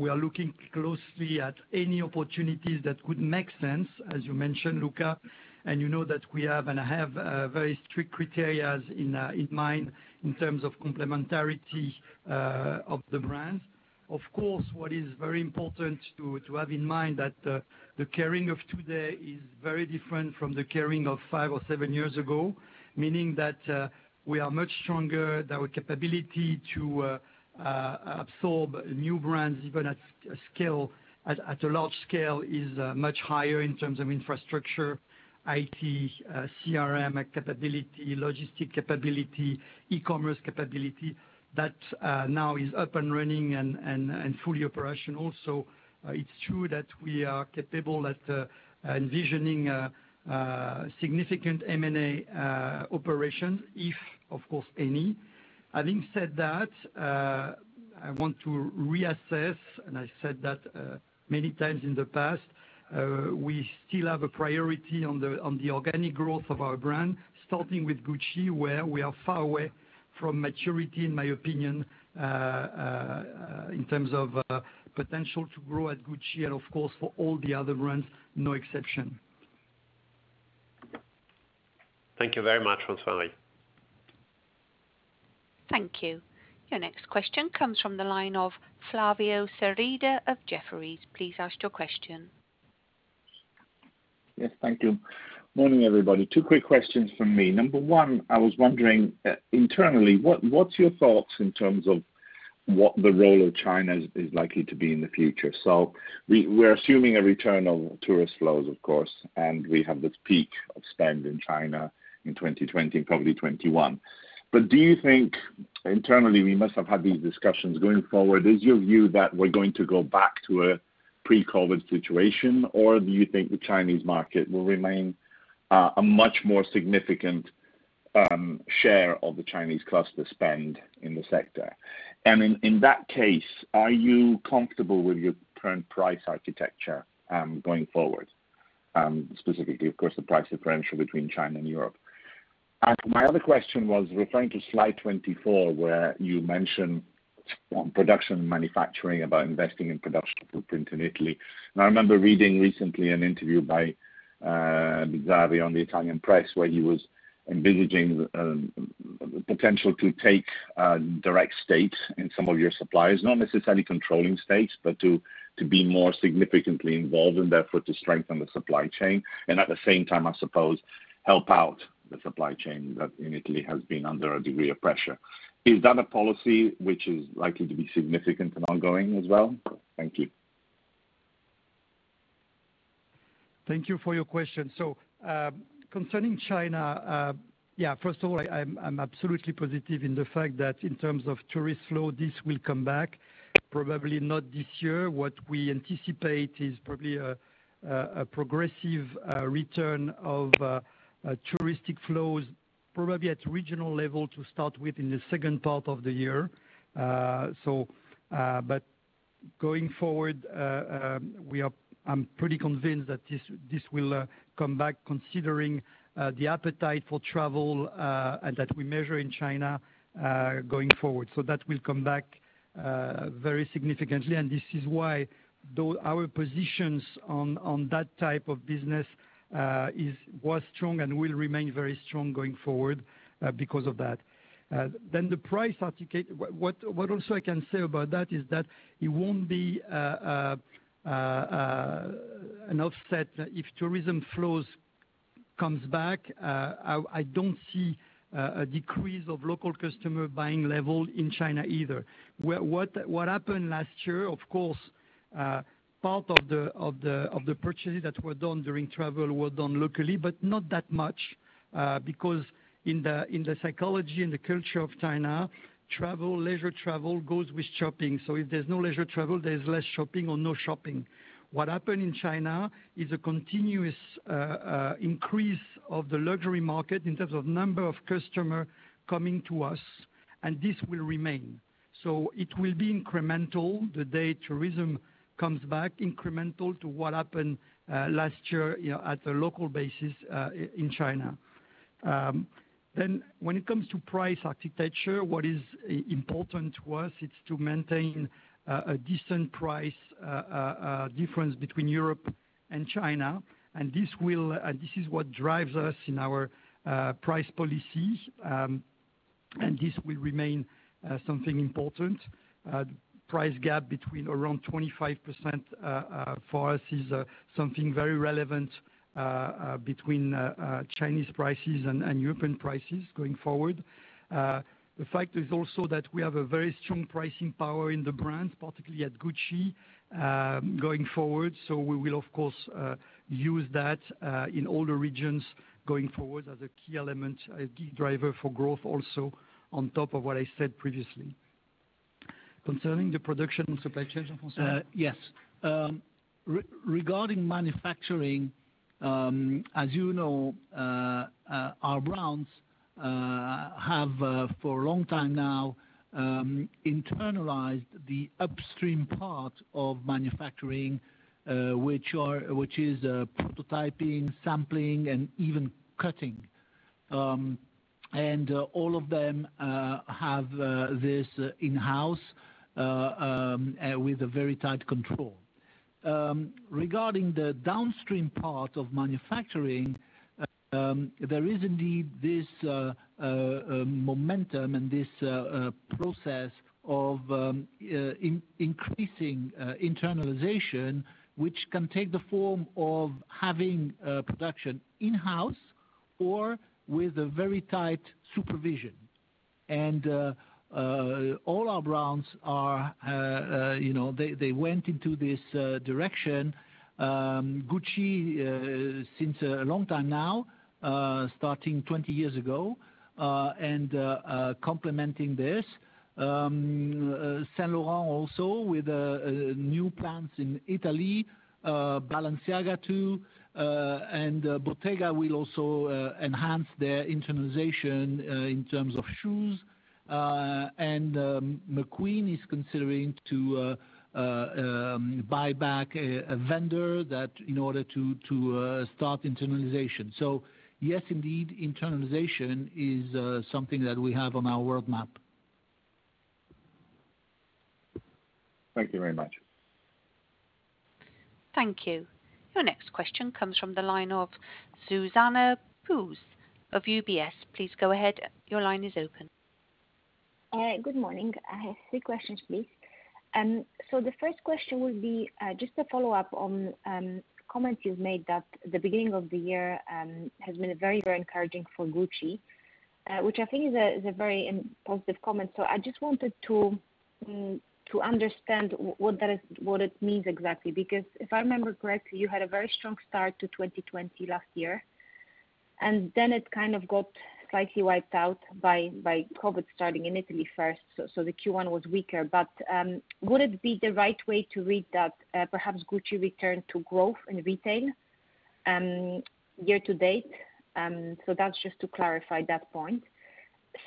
We are looking closely at any opportunities that would make sense, as you mentioned, Luca, and you know that we have, and I have very strict criterias in mind in terms of complementarity of the brands. Of course, what is very important to have in mind that the Kering of today is very different from the Kering of five or seven years ago, meaning that we are much stronger. That our capability to absorb new brands, even at a large scale, is much higher in terms of infrastructure, IT, CRM capability, logistic capability, e-commerce capability. That now is up and running and fully operational. It's true that we are capable at envisioning significant M&A operations if, of course, any. Having said that, I want to reassess, and I said that many times in the past, we still have a priority on the organic growth of our brand, starting with Gucci, where we are far away from maturity, in my opinion, in terms of potential to grow at Gucci and, of course, for all the other brands, no exception. Thank you very much, François. Thank you. Your next question comes from the line of Flavio Cereda of Jefferies. Please ask your question. Yes. Thank you. Morning, everybody. Two quick questions from me. Number one, I was wondering, internally, what's your thoughts in terms of what the role of China is likely to be in the future. We're assuming a return of tourist flows, of course, and we have this peak of spend in China in 2020, probably 2021. Do you think, internally we must have had these discussions going forward, is your view that we're going to go back to a pre-COVID situation, or do you think the Chinese market will remain a much more significant share of the Chinese cluster spend in the sector? In that case, are you comfortable with your current price architecture going forward, specifically, of course, the price differential between China and Europe? My other question was referring to slide 24, where you mentioned production manufacturing about investing in production footprint in Italy. I remember reading recently an interview by Gavi on the Italian press, where he was envisaging the potential to take direct stakes in some of your suppliers, not necessarily controlling stakes, but to be more significantly involved and therefore to strengthen the supply chain, and at the same time, I suppose, help out the supply chain that in Italy has been under a degree of pressure. Is that a policy which is likely to be significant and ongoing as well? Thank you. Thank you for your question. Concerning China, first of all, I'm absolutely positive in the fact that in terms of tourist flow, this will come back, probably not this year. What we anticipate is probably a progressive return of touristic flows, probably at regional level to start with in the second part of the year. Going forward, I'm pretty convinced that this will come back considering the appetite for travel that we measure in China going forward. That will come back very significantly, and this is why our positions on that type of business was strong and will remain very strong going forward because of that. What also I can say about that is that it won't be an offset if tourism flows comes back. I don't see a decrease of local customer buying level in China either. What happened last year, of course, part of the purchases that were done during travel were done locally, but not that much because in the psychology, in the culture of China, leisure travel goes with shopping. If there's no leisure travel, there's less shopping or no shopping. What happened in China is a continuous increase of the luxury market in terms of number of customers coming to us, and this will remain. It will be incremental the day tourism comes back, incremental to what happened last year at a local basis in China. When it comes to price architecture, what is important to us, it's to maintain a decent price difference between Europe and China. This is what drives us in our price policy, and this will remain something important. Price gap between around 25% for us is something very relevant between Chinese prices and European prices going forward. The fact is also that we have a very strong pricing power in the brand, particularly at Gucci, going forward. We will, of course, use that in all the regions going forward as a key element, a key driver for growth also on top of what I said previously. Concerning the production supply chain, Jean-François? Yes. Regarding manufacturing, as you know, our brands have for a long time now internalized the upstream part of manufacturing, which is prototyping, sampling, and even cutting. All of them have this in-house with a very tight control. Regarding the downstream part of manufacturing, there is indeed this momentum and this process of increasing internalization, which can take the form of having production in-house or with a very tight supervision. All our brands went into this direction. Gucci, since a long time now, starting 20 years ago, and complementing this. Saint Laurent also with new plants in Italy, Balenciaga too, and Bottega will also enhance their internalization in terms of shoes. McQueen is considering to buy back a vendor in order to start internalization. Yes, indeed, internalization is something that we have on our world map. Thank you very much. Thank you. Your next question comes from the line of Zuzanna Pusz of UBS. Please go ahead. Your line is open. Good morning. I have three questions, please. The first question will be just a follow-up on comments you've made that the beginning of the year has been very encouraging for Gucci, which I think is a very positive comment. I just wanted to understand what it means exactly, because if I remember correctly, you had a very strong start to 2020 last year, and then it kind of got slightly wiped out by COVID starting in Italy first, the Q1 was weaker. Would it be the right way to read that perhaps Gucci returned to growth in retail year-to-date? That's just to clarify that point.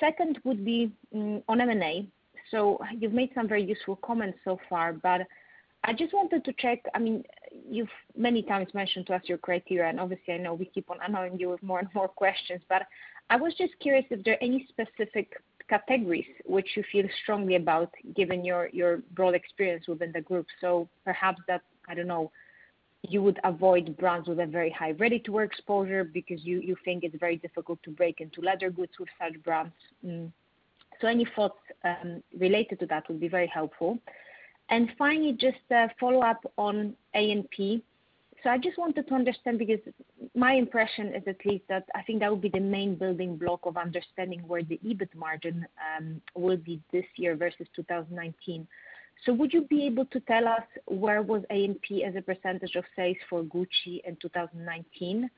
Second would be on M&A. You've made some very useful comments so far, I just wanted to check. You've many times mentioned what's your criteria, and obviously, I know we keep on annoying you with more and more questions, but I was just curious if there are any specific categories which you feel strongly about given your broad experience within the group. Perhaps that, I don't know, you would avoid brands with a very high ready-to-wear exposure because you think it's very difficult to break into leather goods with such brands. Any thoughts related to that would be very helpful. Finally, just a follow-up on A&P. I just wanted to understand, because my impression is at least that I think that would be the main building block of understanding where the EBIT margin will be this year versus 2019. Would you be able to tell us where was A&P as a percentage of sales for Gucci in 2019?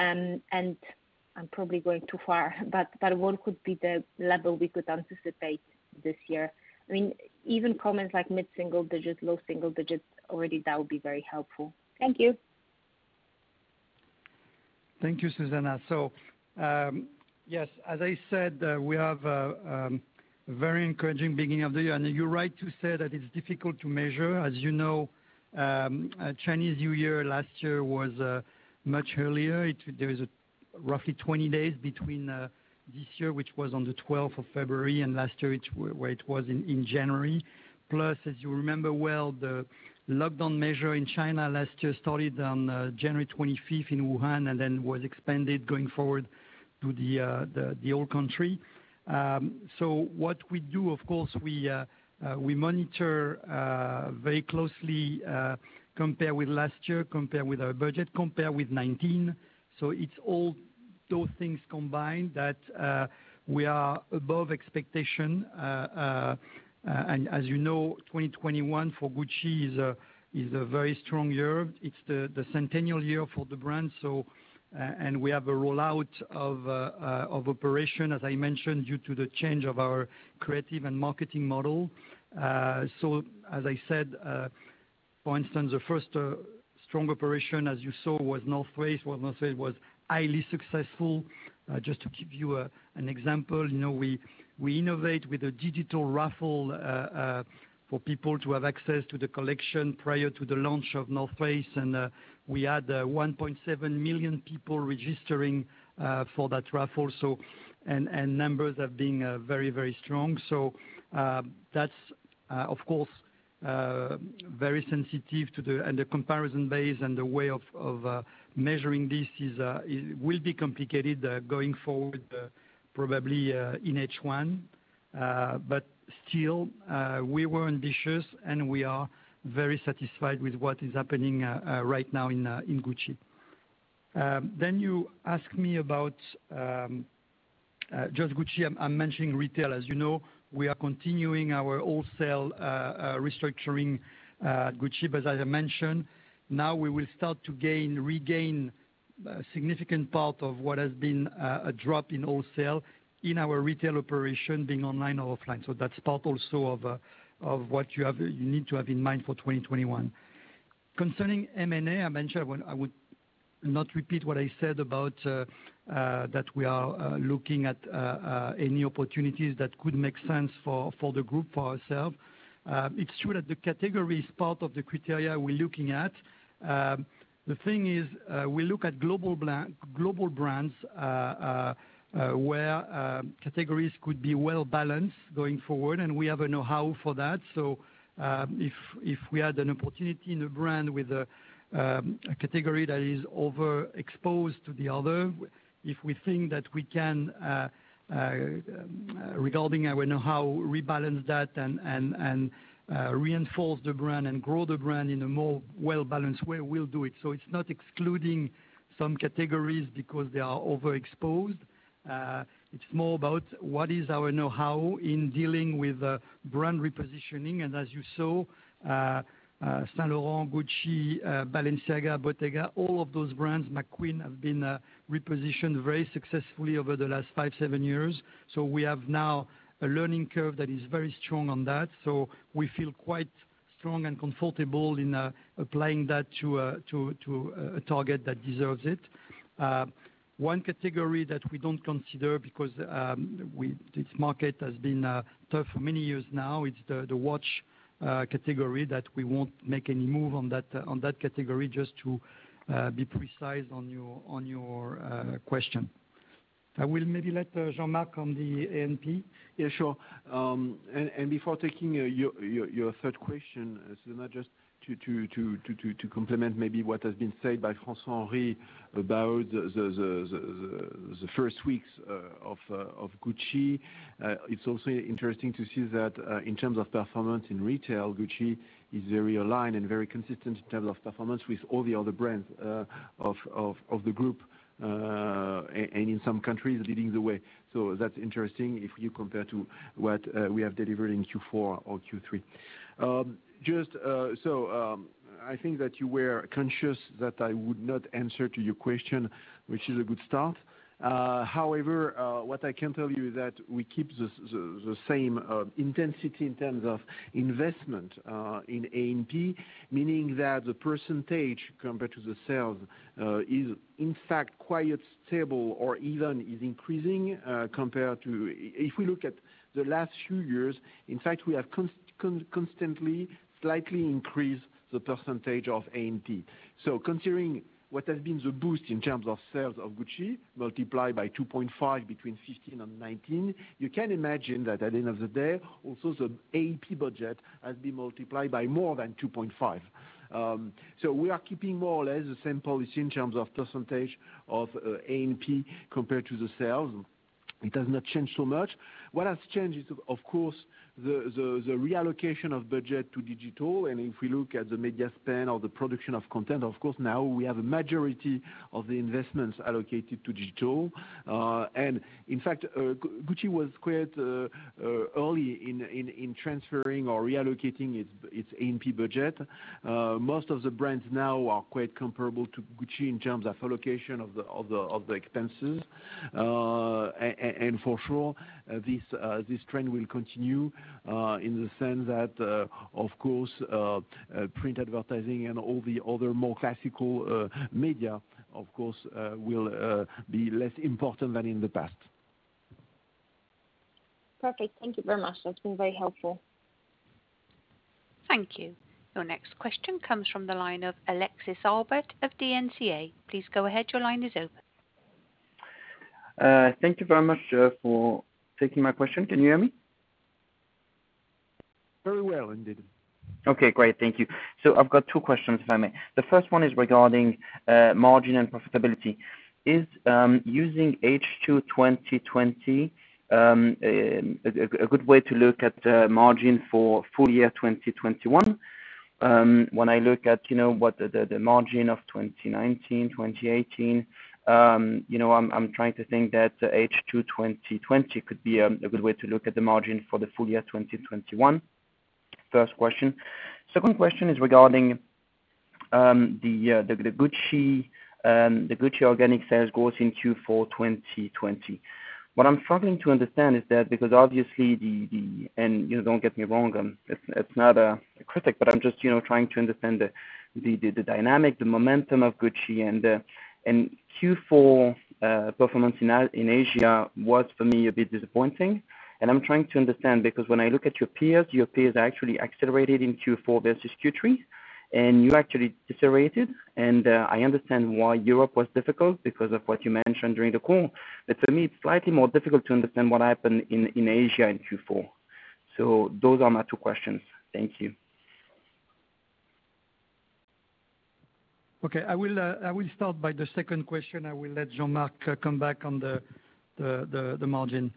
I'm probably going too far, but what could be the level we could anticipate this year? Even comments like mid-single digits, low single digits, already, that would be very helpful. Thank you. Thank you, Zuzanna. Yes, as I said, we have a very encouraging beginning of the year. You're right to say that it's difficult to measure. As you know, Chinese New Year last year was much earlier. There is roughly 20 days between this year, which was on the 12th of February, and last year, where it was in January. Plus, as you remember well, the lockdown measure in China last year started on January 25th in Wuhan and then was expanded going forward to the whole country. What we do, of course, we monitor very closely, compare with last year, compare with our budget, compare with 2019. It's all those things combined that we are above expectation. As you know, 2021 for Gucci is a very strong year. It's the centennial year for the brand, and we have a rollout of operation, as I mentioned, due to the change of our creative and marketing model. As I said, for instance, the first strong operation, as you saw, was North Face, where North Face was highly successful. Just to give you an example, we innovate with a digital raffle for people to have access to the collection prior to the launch of North Face, and we had 1.7 million people registering for that raffle. Numbers have been very strong. That's, of course, very sensitive, and the comparison base and the way of measuring this will be complicated going forward, probably in H1. Still, we were ambitious, and we are very satisfied with what is happening right now in Gucci. You ask me about just Gucci. I'm mentioning retail. As you know, we are continuing our wholesale restructuring Gucci, as I mentioned. We will start to regain a significant part of what has been a drop in wholesale in our retail operation, being online or offline. That's part also of what you need to have in mind for 2021. Concerning M&A, I mentioned I would not repeat what I said about that we are looking at any opportunities that could make sense for the group, for ourselves. It's true that the category is part of the criteria we're looking at. The thing is, we look at global brands, where categories could be well-balanced going forward, and we have a know-how for that. If we had an opportunity in a brand with a category that is overexposed to the other, if we think that we can, regarding our know-how, rebalance that and reinforce the brand and grow the brand in a more well-balanced way, we'll do it. It's not excluding some categories because they are overexposed. It's more about what is our know-how in dealing with brand repositioning. As you saw, Saint Laurent, Gucci, Balenciaga, Bottega, all of those brands, McQueen, have been repositioned very successfully over the last five, seven years. We have now a learning curve that is very strong on that. We feel quite strong and comfortable in applying that to a target that deserves it. One category that we don't consider because this market has been tough for many years now, it's the watch category that we won't make any move on that category, just to be precise on your question. I will maybe let Jean-Marc on the A&P. Yeah, sure. Before taking your third question, Zuzanna, just to complement maybe what has been said by François-Henri about the first weeks of Gucci. It's also interesting to see that in terms of performance in retail, Gucci is very aligned and very consistent in terms of performance with all the other brands of the group, and in some countries leading the way. That's interesting if you compare to what we have delivered in Q4 or Q3. I think that you were conscious that I would not answer to your question, which is a good start. What I can tell you is that we keep the same intensity in terms of investment in A&P, meaning that the percentage compared to the sales is, in fact, quite stable or even is increasing. If we look at the last few years, in fact, we have constantly, slightly increased the percentage of A&P. Considering what has been the boost in terms of sales of Gucci, multiplied by 2.5 between 2015 and 2019, you can imagine that at the end of the day, also the A&P budget has been multiplied by more than 2.5. We are keeping more or less the same policy in terms of percentage of A&P compared to the sales. It has not changed so much. What has changed is, of course, the reallocation of budget to digital. If we look at the media spend or the production of content, of course, now we have a majority of the investments allocated to digital. In fact, Gucci was quite early in transferring or reallocating its A&P budget. Most of the brands now are quite comparable to Gucci in terms of allocation of the expenses. For sure, this trend will continue in the sense that, of course, print advertising and all the other more classical media will be less important than in the past. Perfect. Thank you very much. That's been very helpful. Thank you. Your next question comes from the line of Alexis Albert of DNCA. Please go ahead. Your line is open. Thank you very much for taking my question. Can you hear me? Very well, indeed. Okay, great. Thank you. I've got two questions, if I may. The first one is regarding margin and profitability. Is using H2 2020 a good way to look at the margin for full year 2021? When I look at the margin of 2019, 2018, I'm trying to think that H2 2020 could be a good way to look at the margin for the full year 2021. First question. Second question is regarding the Gucci organic sales growth in Q4 2020. What I'm struggling to understand is that because obviously, and don't get me wrong, it's not a critic, but I'm just trying to understand the dynamic, the momentum of Gucci. Q4 performance in Asia was, for me, a bit disappointing. I'm trying to understand, because when I look at your peers, your peers are actually accelerated in Q4 versus Q3, and you actually decelerated. I understand why Europe was difficult because of what you mentioned during the call. For me, it's slightly more difficult to understand what happened in Asia in Q4. Those are my two questions. Thank you. I will start by the second question. I will let Jean-Marc come back on the margin.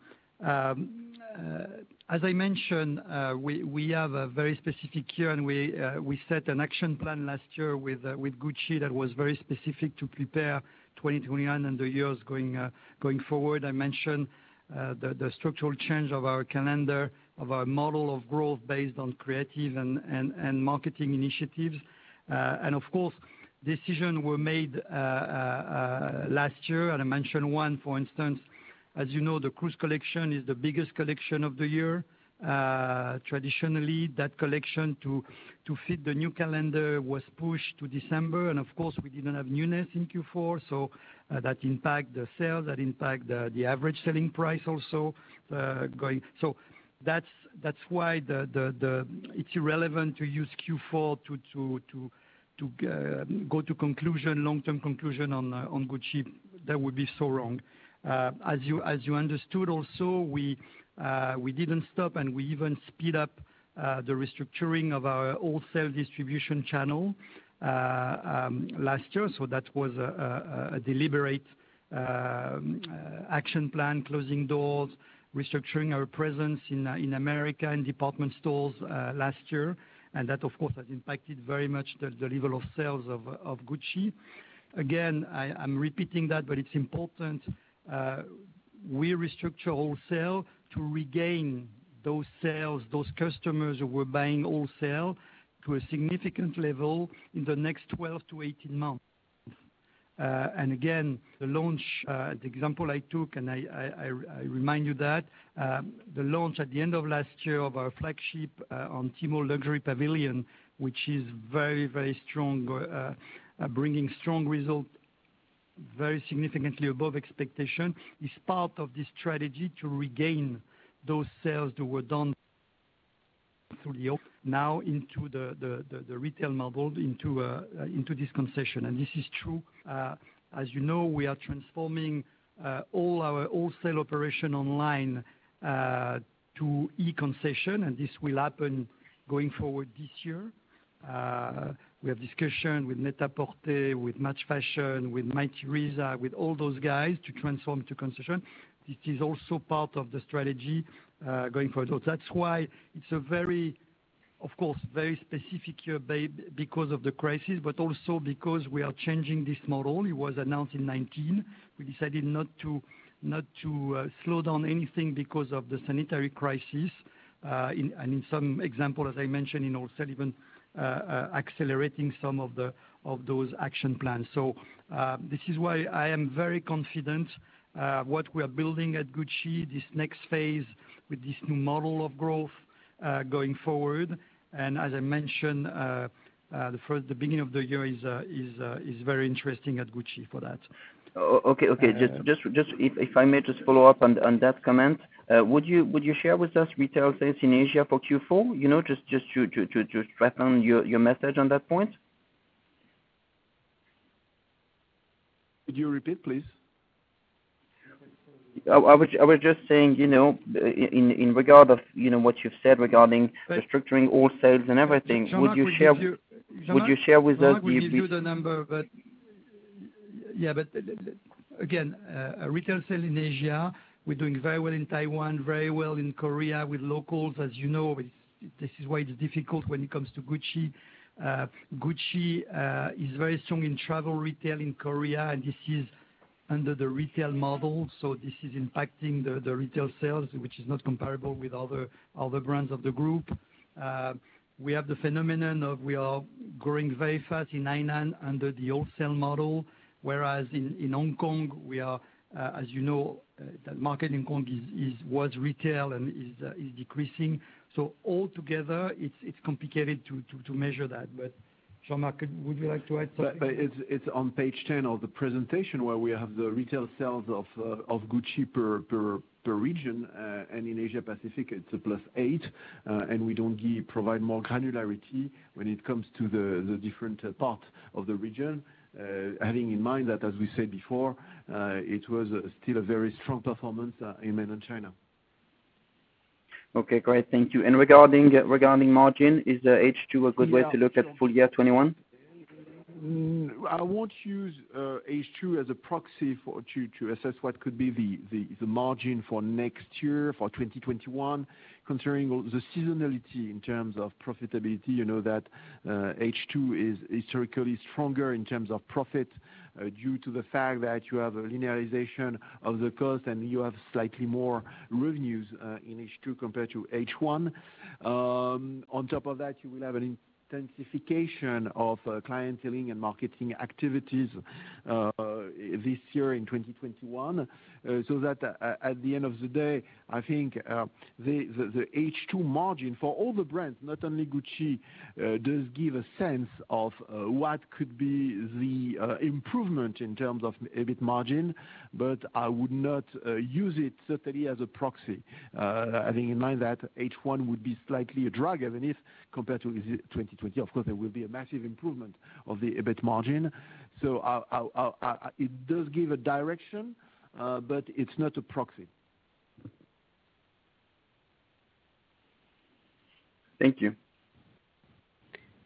As I mentioned, we have a very specific year, and we set an action plan last year with Gucci that was very specific to prepare 2021 and the years going forward. I mentioned the structural change of our calendar, of our model of growth based on creative and marketing initiatives. Of course, decisions were made last year, and I mentioned one, for instance. As you know, the cruise collection is the biggest collection of the year. Traditionally, that collection to fit the new calendar was pushed to December, and of course, we didn't have newness in Q4, so that impacted the sales, that impacted the average selling price also. That is why it is irrelevant to use Q4 to go to long-term conclusion on Gucci. That would be so wrong. As you understood also, we didn't stop, and we even speed up the restructuring of our wholesale distribution channel last year. That was a deliberate action plan, closing doors, restructuring our presence in America in department stores last year. That, of course, has impacted very much the level of sales of Gucci. Again, I'm repeating that, but it's important. We restructure wholesale to regain those sales, those customers who were buying wholesale to a significant level in the next 12 to 18 months. Again, the example I took, I remind you that, the launch at the end of last year of our flagship on Tmall Luxury Pavilion, which is very strong, bringing strong result very significantly above expectation, is part of this strategy to regain those sales that were done through the old, now into the retail model, into this concession. This is true. As you know, we are transforming all our wholesale operation online, to e-concession, and this will happen going forward this year. We have discussion with Net-a-Porter, with Matches Fashion, with Mytheresa, with all those guys to transform to concession. This is also part of the strategy, going forward. That's why it's, of course, a very specific year because of the crisis, but also because we are changing this model. It was announced in 2019. We decided not to slow down anything because of the sanitary crisis. In some example, as I mentioned, in wholesale, even accelerating some of those action plans. This is why I am very confident what we are building at Gucci, this next phase with this new model of growth, going forward. As I mentioned, the beginning of the year is very interesting at Gucci for that. Okay. If I may just follow up on that comment, would you share with us retail sales in Asia for Q4? Just to strengthen your message on that point. Could you repeat, please? I was just saying, in regard of what you've said. But. The structuring all sales and everything. Jean-Marc will give you. Would you share with us? Jean-Marc will give you the number. Again, retail sale in Asia, we're doing very well in Taiwan, very well in Korea with locals. As you know, this is why it's difficult when it comes to Gucci. Gucci is very strong in travel retail in Korea, and this is under the retail model, so this is impacting the retail sales, which is not comparable with other brands of the group. We have the phenomenon of, we are growing very fast in Hainan under the wholesale model, whereas in Hong Kong, as you know, that market in Hong Kong was retail and is decreasing. Altogether, it's complicated to measure that. Jean-Marc, would you like to add something? It's on page 10 of the presentation where we have the retail sales of Gucci per region. In Asia Pacific, it's a +8. We don't provide more granularity when it comes to the different parts of the region. Having in mind that, as we said before, it was still a very strong performance in mainland China. Okay, great. Thank you. Regarding margin, is the H2 a good way to look at full year 2021? I won't use H2 as a proxy to assess what could be the margin for next year, for 2021, considering all the seasonality in terms of profitability. You know that H2 is historically stronger in terms of profit, due to the fact that you have a linearization of the cost and you have slightly more revenues in H2 compared to H1. On top of that, you will have an intensification of clienteling and marketing activities this year in 2021. At the end of the day, I think, the H2 margin for all the brands, not only Gucci, does give a sense of what could be the improvement in terms of EBIT margin. I would not use it certainly as a proxy. Having in mind that H1 would be slightly a drag even if compared to 2020. Of course, there will be a massive improvement of the EBIT margin. It does give a direction, but it's not a proxy. Thank you.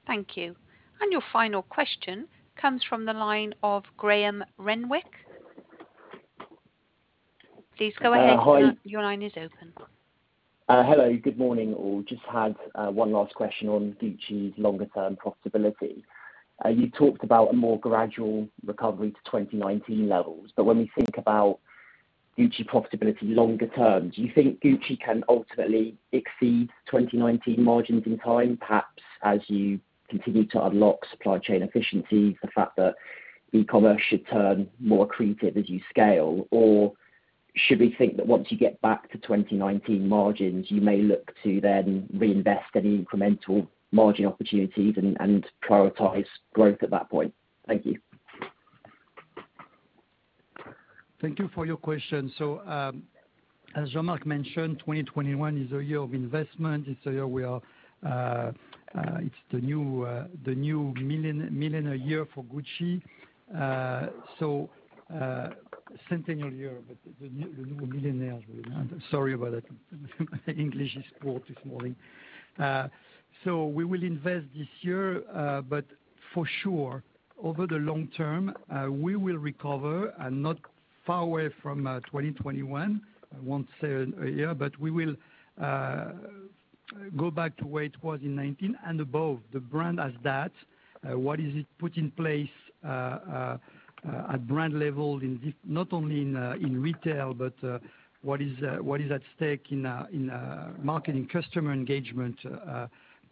Thank you. Your final question comes from the line of Graham Renwick. Please go ahead, sir. Hi. Your line is open. Hello, good morning, all. Just had one last question on Gucci's longer term profitability. When we think about Gucci profitability longer term, do you think Gucci can ultimately exceed 2019 margins in time, perhaps as you continue to unlock supply chain efficiencies, the fact that e-commerce should turn more accretive as you scale, or should we think that once you get back to 2019 margins, you may look to then reinvest any incremental margin opportunities and prioritize growth at that point? Thank you. Thank you for your question. As Jean-Marc mentioned, 2021 is a year of investment. It's the new million a year for Gucci. Centennial year, but the new millionaire. Sorry about that. English is poor this morning. We will invest this year, but for sure, over the long term, we will recover and not far away from 2021, I won't say a year, but we will go back to where it was in 2019 and above. The brand as that, what is it put in place at brand level not only in retail, but what is at stake in marketing customer engagement.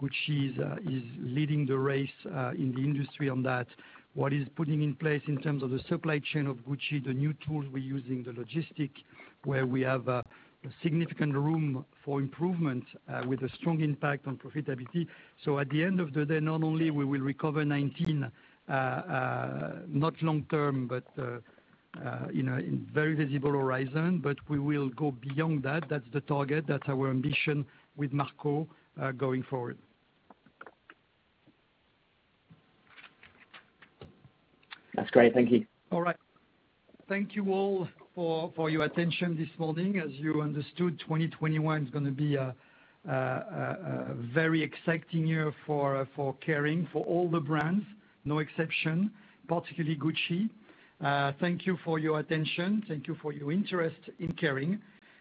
Gucci is leading the race in the industry on that. What is putting in place in terms of the supply chain of Gucci, the new tools we're using, the logistics, where we have a significant room for improvement, with a strong impact on profitability. At the end of the day, not only we will recover 2019, not long term, but in very visible horizon, but we will go beyond that. That's the target, that's our ambition with Marco, going forward. That's great. Thank you. All right. Thank you all for your attention this morning. As you understood, 2021 is going to be a very exciting year for Kering, for all the brands, no exception, particularly Gucci. Thank you for your attention. Thank you for your interest in Kering.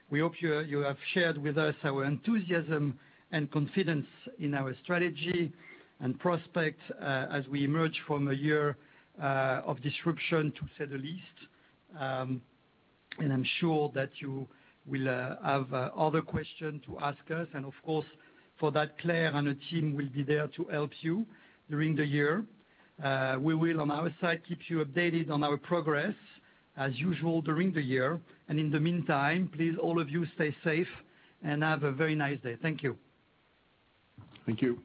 We hope you have shared with us our enthusiasm and confidence in our strategy and prospects, as we emerge from a year of disruption, to say the least. I'm sure that you will have other questions to ask us, and of course, for that, Claire and her team will be there to help you during the year. We will, on our side, keep you updated on our progress as usual during the year. In the meantime, please all of you stay safe and have a very nice day. Thank you. Thank you.